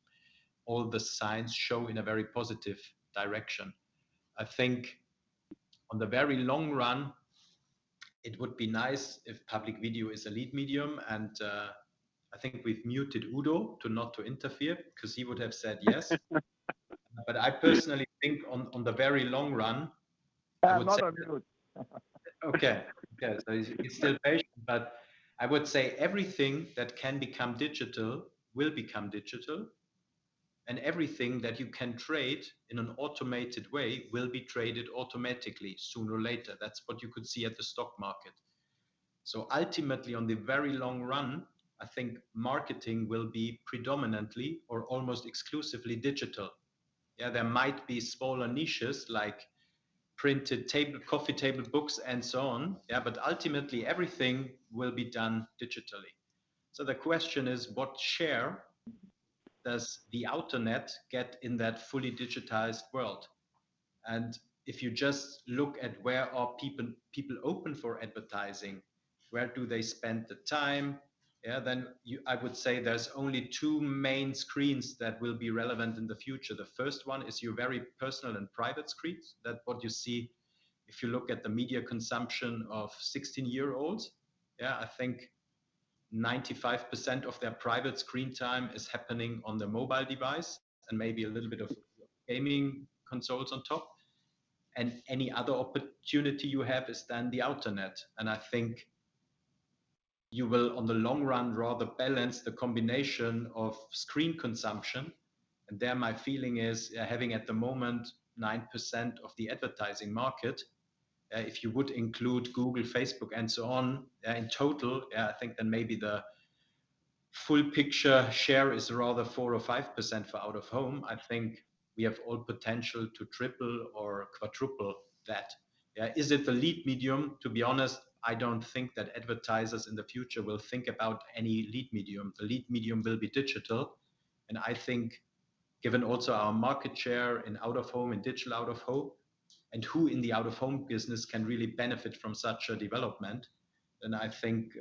all the signs show in a very positive direction. I think on the very long run, it would be nice if Public Video is a lead medium, and, I think we've muted Udo to not interfere, 'cause he would have said yes. But I personally think on the very long run, I would say- I'm not on mute. Okay. Yeah, so he's, he's still patient, but I would say everything that can become digital will become digital, and everything that you can trade in an automated way will be traded automatically, sooner or later. That's what you could see at the stock market. So ultimately, on the very long run, I think marketing will be predominantly or almost exclusively digital. Yeah, there might be smaller niches like printed table coffee table books and so on, yeah, but ultimately, everything will be done digitally. So the question is, what share does the outernet get in that fully digitized world? And if you just look at where are people, people open for advertising, where do they spend the time, then you I would say there's only two main screens that will be relevant in the future. The first one is your very personal and private screens, that's what you see if you look at the media consumption of 16-year-olds. Yeah, I think 95% of their private screen time is happening on their mobile device and maybe a little bit of gaming consoles on top, and any other opportunity you have is then the outernet. And I think you will, on the long run, rather balance the combination of screen consumption, and there my feeling is, having at the moment 9% of the advertising market, if you would include Google, Facebook, and so on, in total, I think then maybe the full picture share is rather 4% or 5% for Out-of-Home. I think we have all potential to triple or quadruple that. Is it the lead medium? To be honest, I don't think that advertisers in the future will think about any lead medium. The lead medium will be digital, and I think given also our market share in Out-of-Home and Digital Out of Home, and who in the Out-of-Home business can really benefit from such a development, then I think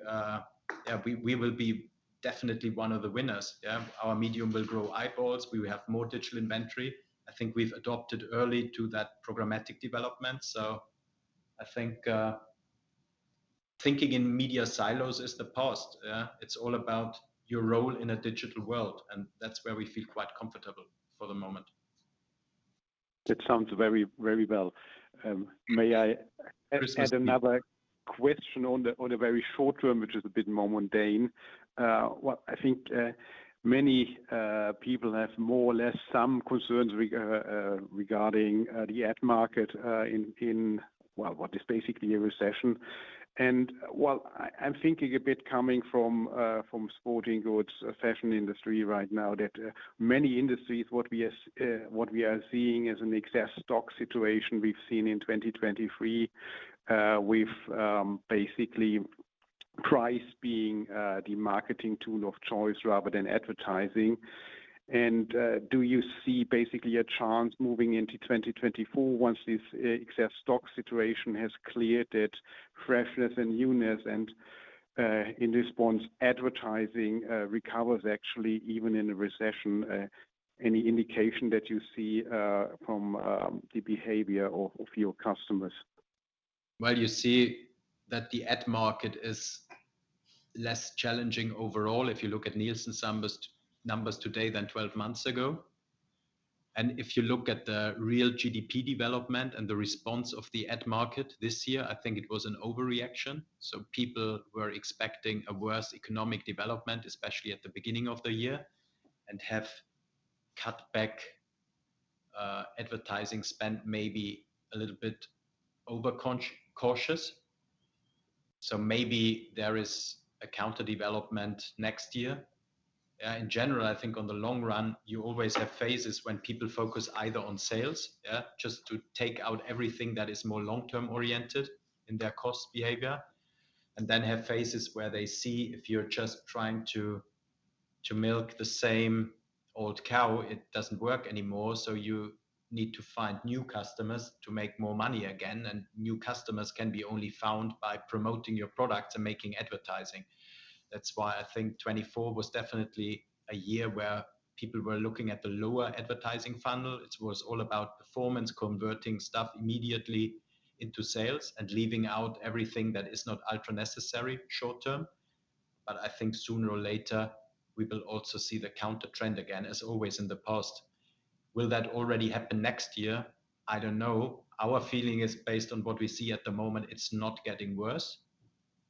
we will be definitely one of the winners. Our medium will grow eyeballs. We will have more digital inventory. I think we've adopted early to that programmatic development, so I think thinking in media silos is the past. It's all about your role in a digital world, and that's where we feel quite comfortable for the moment. That sounds very, very well. May I- Please do. Ask another question on the very short term, which is a bit more mundane. What I think many people have more or less some concerns regarding the ad market in, well, what is basically a recession. Well, I'm thinking a bit coming from sporting goods, fashion industry right now, that many industries, what we are seeing is an excess stock situation we've seen in 2023. With basically price being the marketing tool of choice rather than advertising. And do you see basically a chance moving into 2024 once this excess stock situation has cleared, that freshness and newness and, in response, advertising recovers actually even in a recession. Any indication that you see from the behavior of your customers? Well, you see that the ad market is less challenging overall, if you look at Nielsen's numbers today than 12 months ago. And if you look at the real GDP development and the response of the ad market this year, I think it was an overreaction. So people were expecting a worse economic development, especially at the beginning of the year, and have cut back advertising spend, maybe a little bit overcautious. So maybe there is a counter development next year. In general, I think on the long run, you always have phases when people focus either on sales, yeah, just to take out everything that is more long-term oriented in their cost behavior, and then have phases where they see if you're just trying to milk the same old cow, it doesn't work anymore. So you need to find new customers to make more money again, and new customers can be only found by promoting your product and making advertising. That's why I think 2024 was definitely a year where people were looking at the lower advertising funnel. It was all about performance, converting stuff immediately into sales, and leaving out everything that is not ultra necessary short term. But I think sooner or later, we will also see the counter trend again, as always in the past. Will that already happen next year? I don't know. Our feeling is based on what we see at the moment, it's not getting worse.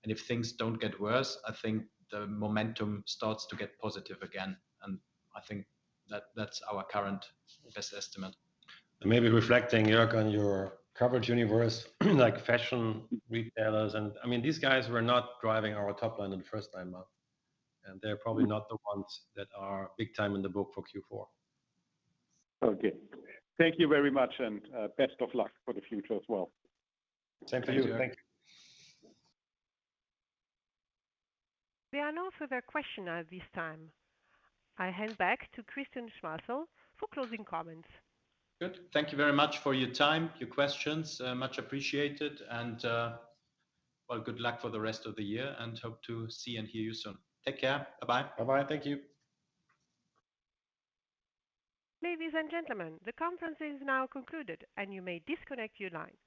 And if things don't get worse, I think the momentum starts to get positive again, and I think that, that's our current best estimate. Maybe reflecting, Jörg, on your coverage universe, like fashion retailers, and I mean, these guys were not driving our top line in the first nine months, and they're probably not the ones that are big time in the book for Q4. Okay. Thank you very much, and best of luck for the future as well. Same to you. Thank you. There are no further questions at this time. I hand back to Christian Schmalzl for closing comments. Good. Thank you very much for your time, your questions, much appreciated, and, well, good luck for the rest of the year, and hope to see and hear you soon. Take care. Bye-bye. Bye-bye. Thank you. Ladies and gentlemen, the conference is now concluded, and you may disconnect your line.